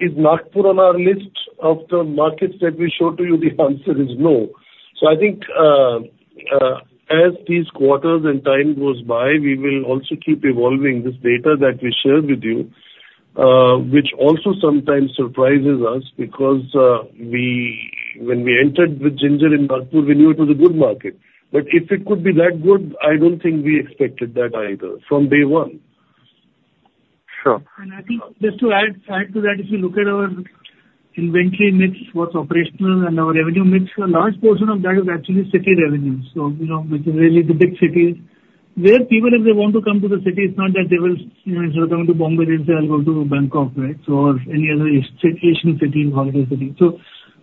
Is Nagpur on our list of the markets that we show to you? The answer is no. So I think, as these quarters and time goes by, we will also keep evolving this data that we share with you, which also sometimes surprises us because, when we entered with Ginger in Nagpur, we knew it was a good market. But if it could be that good, I don't think we expected that either from day one. Sure. And I think just to add, add to that, if you look at our inventory mix, what's operational and our revenue mix, a large portion of that is actually city revenue. So, you know, which is really the big cities where people, if they want to come to the city, it's not that they will, you know, instead of coming to Bombay, they'll say, "I'll go to Bangkok," right? So any other Asian city, holiday city. So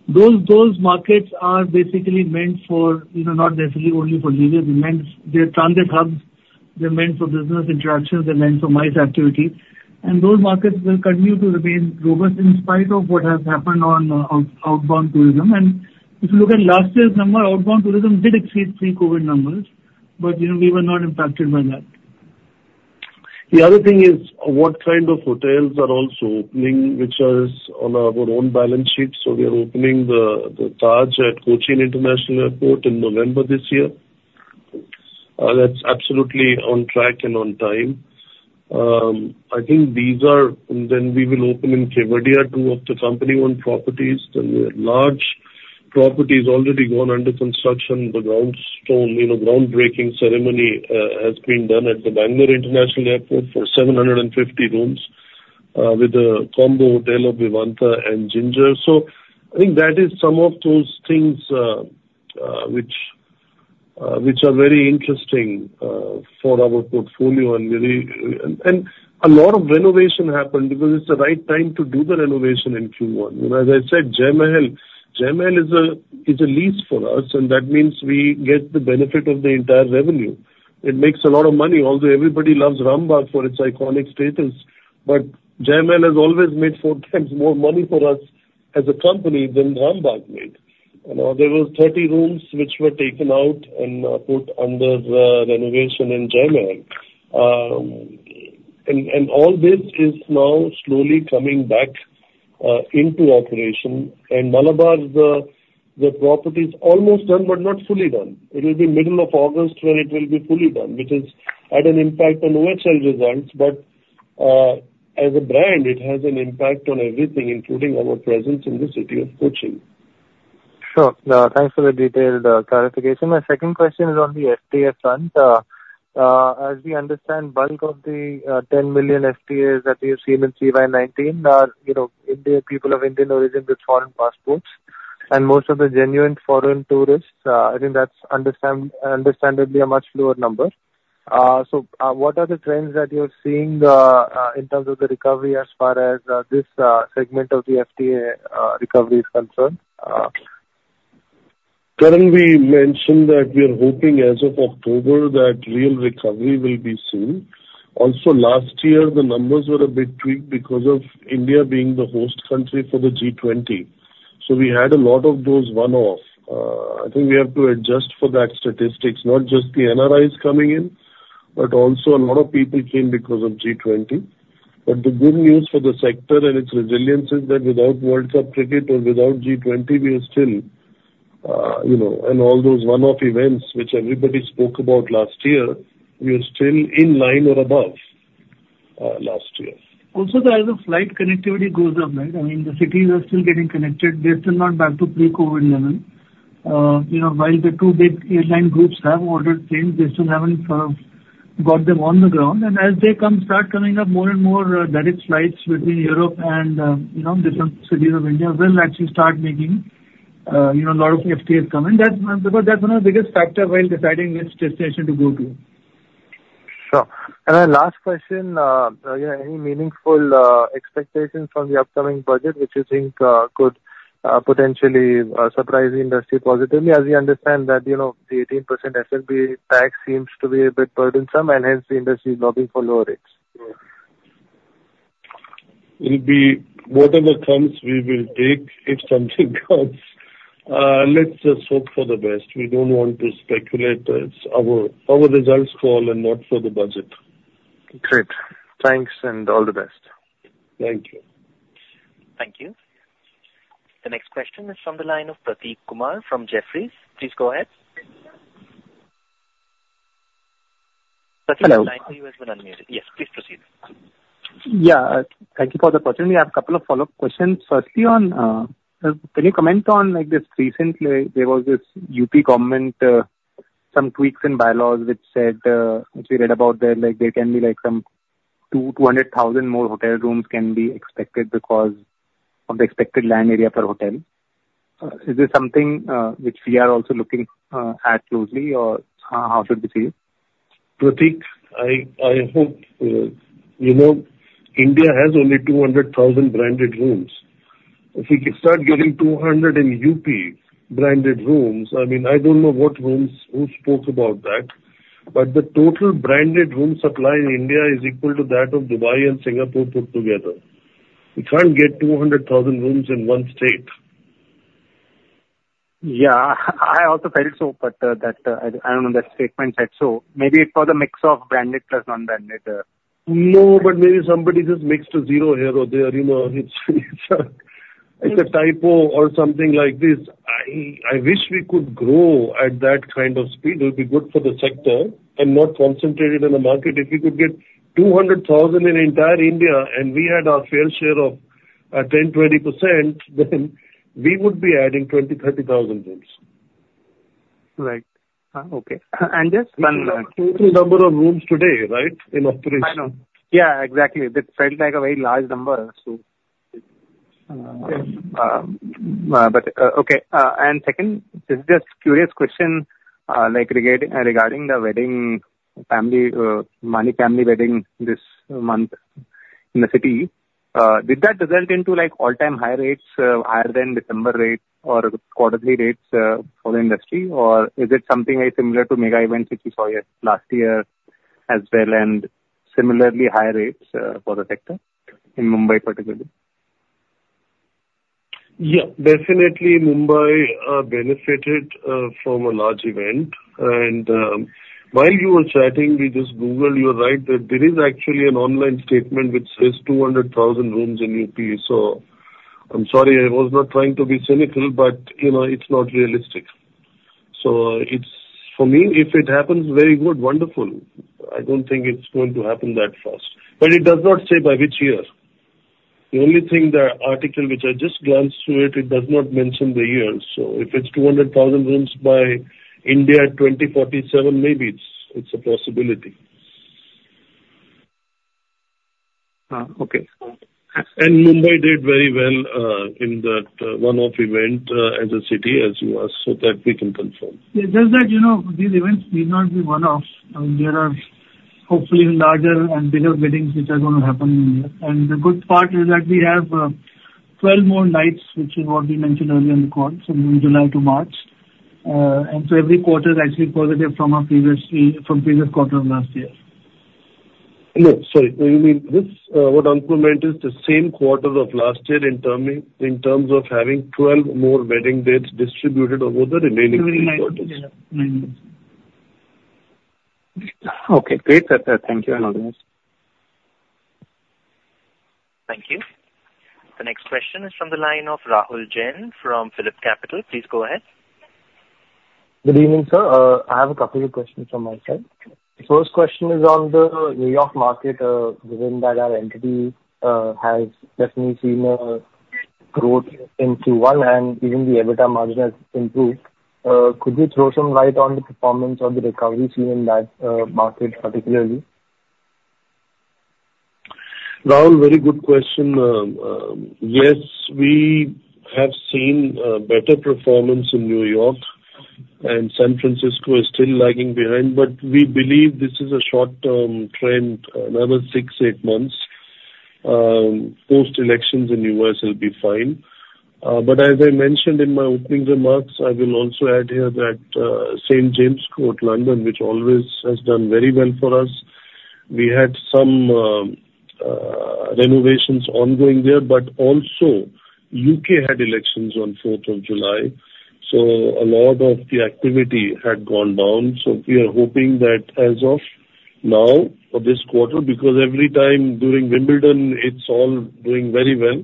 those, those markets are basically meant for, you know, not necessarily only for leisure. It means they're transit hubs. They're meant for business interactions, they're meant for MICE activity. And those markets will continue to remain robust in spite of what has happened on outbound tourism. And if you look at last year's number, outbound tourism did exceed pre-COVID numbers, but, you know, we were not impacted by that. The other thing is, what kind of hotels are also opening, which are on our own balance sheet? So we are opening the Taj at Cochin International Airport in November this year. That's absolutely on track and on time. I think these are. Then we will open in Kevadia two of the company-owned properties. Then we have large properties already gone under construction. The groundbreaking, you know, ceremony has been done at the Bengaluru International Airport for 750 rooms with a combo hotel of Vivanta and Ginger. So I think that is some of those things which are very interesting for our portfolio and very. And a lot of renovation happened because it's the right time to do the renovation in Q1. You know, as I said, Jai Mahal. Jai Mahal is a lease for us, and that means we get the benefit of the entire revenue. It makes a lot of money. Although everybody loves Rambagh for its iconic status, but Jai Mahal has always made four times more money for us as a company than Rambagh made. You know, there were 30 rooms which were taken out and put under the renovation in Jai Mahal. And all this is now slowly coming back into operation. And Malabar, the property is almost done, but not fully done. It will be middle of August when it will be fully done, which has had an impact on overall results, but as a brand, it has an impact on everything, including our presence in the city of Cochin. Sure. Thanks for the detailed clarification. My second question is on the FTA front. As we understand, bulk of the 10 million FTAs that we have seen in CY 2019 are, you know, India, people of Indian origin with foreign passports. And most of the genuine foreign tourists, I think that's understandably a much lower number. So, what are the trends that you're seeing in terms of the recovery as far as this segment of the FTA recovery is concerned? Currently, we mentioned that we are hoping as of October that real recovery will be soon. Also, last year, the numbers were a bit tweaked because of India being the host country for the G20. So we had a lot of those one-off. I think we have to adjust for that statistics, not just the NRIs coming in, but also a lot of people came because of G20. But the good news for the sector and its resilience is that without World Cup cricket or without G20, we are still, you know. And all those one-off events which everybody spoke about last year, we are still in line or above last year. Also, as the flight connectivity goes up, right? I mean, the cities are still getting connected. They're still not back to pre-COVID level. You know, while the two big airline groups have ordered planes, they still haven't got them on the ground. And as they come, start coming up, more and more, direct flights between Europe and, you know, different cities of India will actually start making, you know, a lot of FTAs come in. That's because that's one of the biggest factor while deciding which destination to go to. Sure. And then last question, you know, any meaningful expectations from the upcoming budget, which you think could potentially surprise the industry positively? As we understand that, you know, the 18% slab tax seems to be a bit burdensome, and hence, the industry is lobbying for lower rates. Yeah. We'll be whatever comes, we will take, if something comes. Let's just hope for the best. We don't want to speculate. It's our, our results call and not for the budget. Great. Thanks, and all the best. Thank you. Thank you. The next question is from the line of Prateek Kumar from Jefferies. Please go ahead. Prateek, the line for you has been unmuted. Yes, please proceed. Yeah, thank you for the opportunity. I have a couple of follow-up questions. Firstly, on. Can you comment on, like, this recently there was this UP government, some tweaks in bylaws which said, which we read about there, like, there can be, like, some 200,000 more hotel rooms can be expected because of the expected land area per hotel. Is this something, which we are also looking at closely? Or how, how should we see it? Prateek, I hope, you know, India has only 200,000 branded rooms. If we can start getting 200 in UP branded rooms, I mean, I don't know what rooms, who spoke about that. But the total branded room supply in India is equal to that of Dubai and Singapore put together. We can't get 200,000 rooms in one state. Yeah, I also felt so, but that, I, I don't know, that statement said so. Maybe it was a mix of branded plus non-branded. No, but maybe somebody just mixed a zero here or there, you know. It's a typo or something like this. I wish we could grow at that kind of speed. It would be good for the sector and more concentrated in the market. If we could get 200,000 in entire India, and we had our fair share of 10%-20%, then we would be adding 20,000-30,000 rooms. Right. Okay. And just- Total number of rooms today, right? In operation. I know. Yeah, exactly. That felt like a very large number, so. But okay, and second, this is just curious question, like regarding the Ambani family wedding this month in the city. Did that result into, like, all-time high rates, higher than December rates or quarterly rates, for the industry? Or is it something very similar to mega events which we saw last year as well, and similarly high rates, for the sector in Mumbai, particularly? Yeah, definitely Mumbai benefited from a large event. And while you were chatting, we just googled. You're right, that there is actually an online statement which says 200,000 rooms in UP. So I'm sorry, I was not trying to be cynical, but, you know, it's not realistic. So it's for me, if it happens, very good, wonderful. I don't think it's going to happen that fast. But it does not say by which year. The only thing, the article which I just glanced through it, it does not mention the year. So if it's 200,000 rooms by India, 2047, maybe it's, it's a possibility. Uh, okay. Mumbai did very well in that one-off event as a city, as you asked, so that we can confirm. Yeah, just that, you know, these events need not be one-off. I mean, there are hopefully larger and bigger weddings which are gonna happen in here. And the good part is that we have, 12 more nights, which is what we mentioned earlier in the call, so July to March. And so every quarter is actually positive from previous quarter of last year. No, sorry. So you mean this, what Ankur meant is the same quarter of last year in terms of having 12 more wedding dates distributed over the remaining quarters. Mm-hmm. Okay, great, sir, thank you, and onwards. Thank you. The next question is from the line of Rahul Jain from PhillipCapital. Please go ahead. Good evening, sir. I have a couple of questions from my side. First question is on the New York market, given that our entity has definitely seen a growth in Q1 and even the EBITDA margin has improved. Could you throw some light on the performance of the recovery seen in that market, particularly? Rahul, very good question. Yes, we have seen better performance in New York, and San Francisco is still lagging behind, but we believe this is a short-term trend. Another six to eight months, post-elections in U.S. will be fine. But as I mentioned in my opening remarks, I will also add here that, St. James' Court, London, which always has done very well for us, we had some renovations ongoing there, but also U.K. had elections on fourth of July, so a lot of the activity had gone down. So we are hoping that as of now, for this quarter, because every time during Wimbledon, it's all doing very well.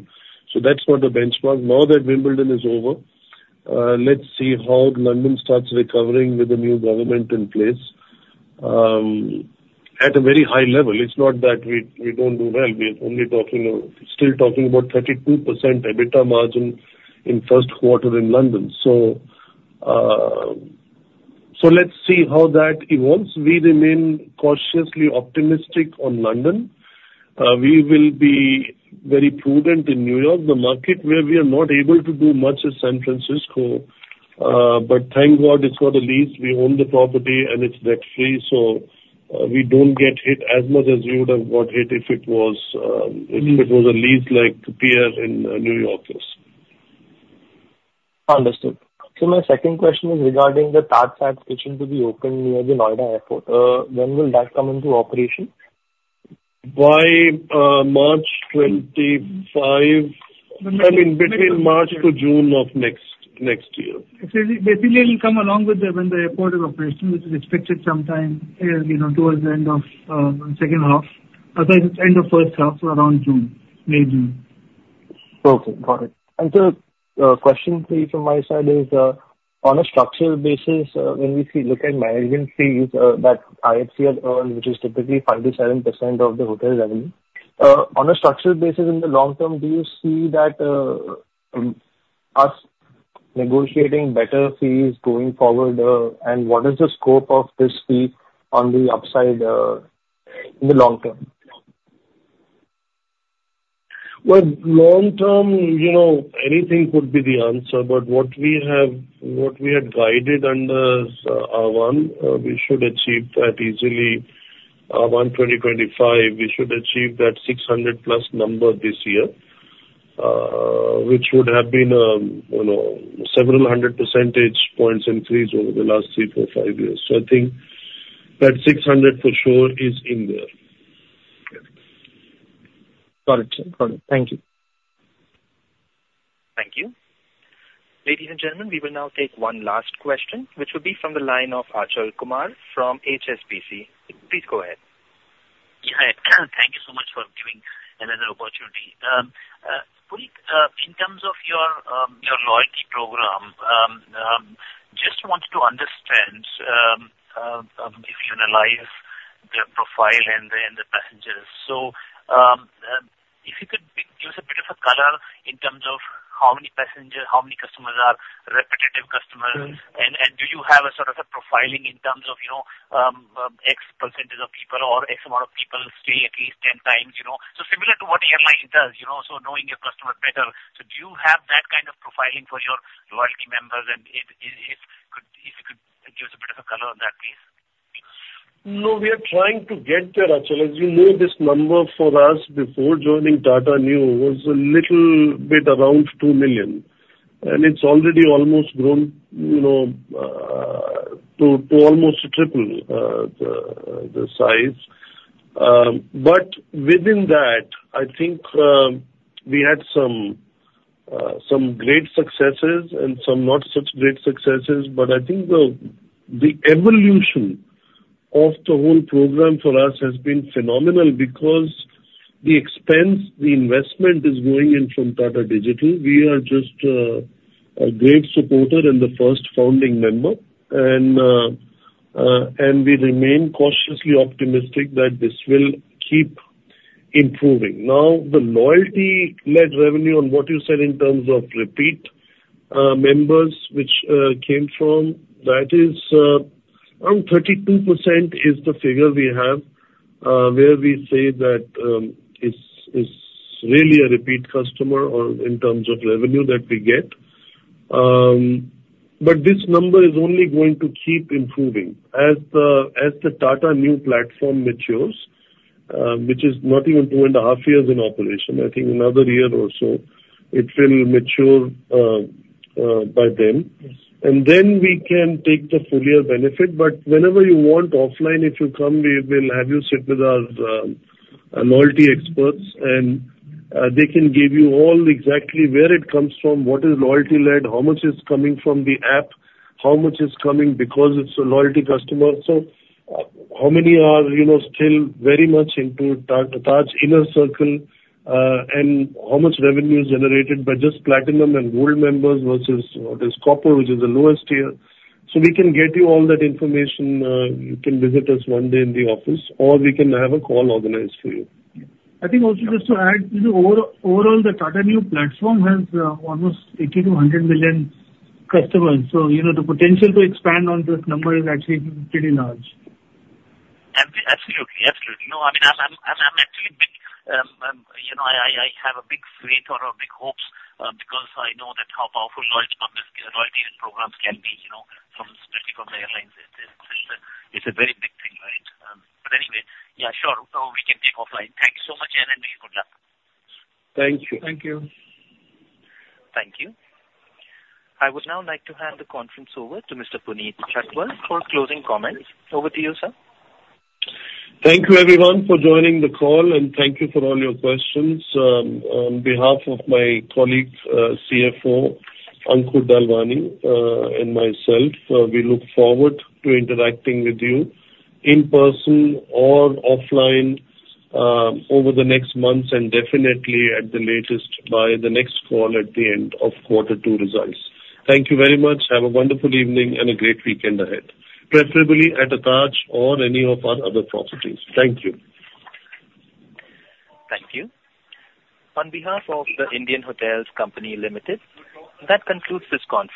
So that's not a benchmark. Now that Wimbledon is over, let's see how London starts recovering with the new government in place. At a very high level, it's not that we don't do well. We are only talking, still talking about 32% EBITDA margin in first quarter in London. So, so let's see how that evolves. We remain cautiously optimistic on London. We will be very prudent in New York, the market where we are not able to do much is San Francisco. But thank God, it's got a lease. We own the property, and it's debt-free, so, we don't get hit as much as we would have got hit if it was, if it was a lease like The Pierre in New York. Understood. So my second question is regarding the TajSATS kitchen to be opened near the Noida Airport. When will that come into operation? By March 2025. I mean, between March to June of next year. Actually, basically, it'll come along with the when the airport is operational, which is expected sometime, you know, towards the end of second half. Otherwise, it's end of first half, so around June. May, June. Okay, got it. Question three from my side is, on a structural basis, when we look at management fees that IHCL has earned, which is typically 5%-7% of the hotel revenue. On a structural basis in the long term, do you see that us negotiating better fees going forward, and what is the scope of this fee on the upside, in the long term? Well, long term, you know, anything could be the answer, but what we have, what we had guided under our Ahvaan 2025, we should achieve that easily. 2025, we should achieve that 600+ number this year, which would have been, you know, several hundred percentage points increase over the last three, four, five years. So I think that 600 for sure is in there. Got it, sir. Got it. Thank you. Thank you. Ladies and gentlemen, we will now take one last question, which will be from the line of Achal Kumar from HSBC. Please go ahead. Yeah, thank you so much for giving another opportunity. Puneet, in terms of your loyalty program, just wanted to understand if you analyze the profile and the passengers. So, if you could give us a bit of a color in terms of how many passengers, how many customers are repetitive customers- Mm-hmm. Do you have a sort of a profiling in terms of, you know, X%? X amount of people stay at least ten times, you know, so similar to what the airline does, you know, so knowing your customer better. So do you have that kind of profiling for your loyalty members? And if you could give us a bit of a color on that, please. No, we are trying to get there, Achal. As you know, this number for us before joining Tata Neu was a little bit around 2 million, and it's already almost grown, you know, to almost triple the size. But within that, I think we had some great successes and some not such great successes. But I think the evolution of the whole program for us has been phenomenal because the expense, the investment is going in from Tata Digital. We are just a great supporter and the first founding member. And we remain cautiously optimistic that this will keep improving. Now, the loyalty-led revenue on what you said in terms of repeat members, which came from that is around 32% is the figure we have, where we say that it is really a repeat customer or in terms of revenue that we get. But this number is only going to keep improving as the Tata Neu platform matures, which is not even two and a half years in operation. I think another year or so, it will mature, by then. Yes. And then we can take the full year benefit. But whenever you want offline, if you come, we will have you sit with our, loyalty experts, and, they can give you all exactly where it comes from, what is loyalty-led, how much is coming from the app, how much is coming because it's a loyalty customer. So how many are, you know, still very much into Taj InnerCircle, and how much revenue is generated by just Platinum and Gold members versus what is Copper, which is the lowest tier. So we can get you all that information. You can visit us one day in the office, or we can have a call organized for you. I think also just to add, you know, overall, the Tata Neu platform has almost 80-100 million customers. So, you know, the potential to expand on this number is actually pretty large. Absolutely, absolutely. No, I mean, I'm actually big, you know, I have a big faith or a big hopes, because I know that how powerful loyalty members, loyalty programs can be, you know, from specific on the airlines. It's a very big thing, right? But anyway, yeah, sure, we can take offline. Thank you so much, and good luck. Thank you. Thank you. Thank you. I would now like to hand the conference over to Mr. Puneet Chhatwal for closing comments. Over to you, sir. Thank you, everyone, for joining the call, and thank you for all your questions. On behalf of my colleagues, CFO, Ankur Dalwani, and myself, we look forward to interacting with you in person or offline, over the next months and definitely at the latest by the next call at the end of quarter two results. Thank you very much. Have a wonderful evening and a great weekend ahead, preferably at a Taj or any of our other properties. Thank you. Thank you. On behalf of the Indian Hotels Company Limited, that concludes this conference.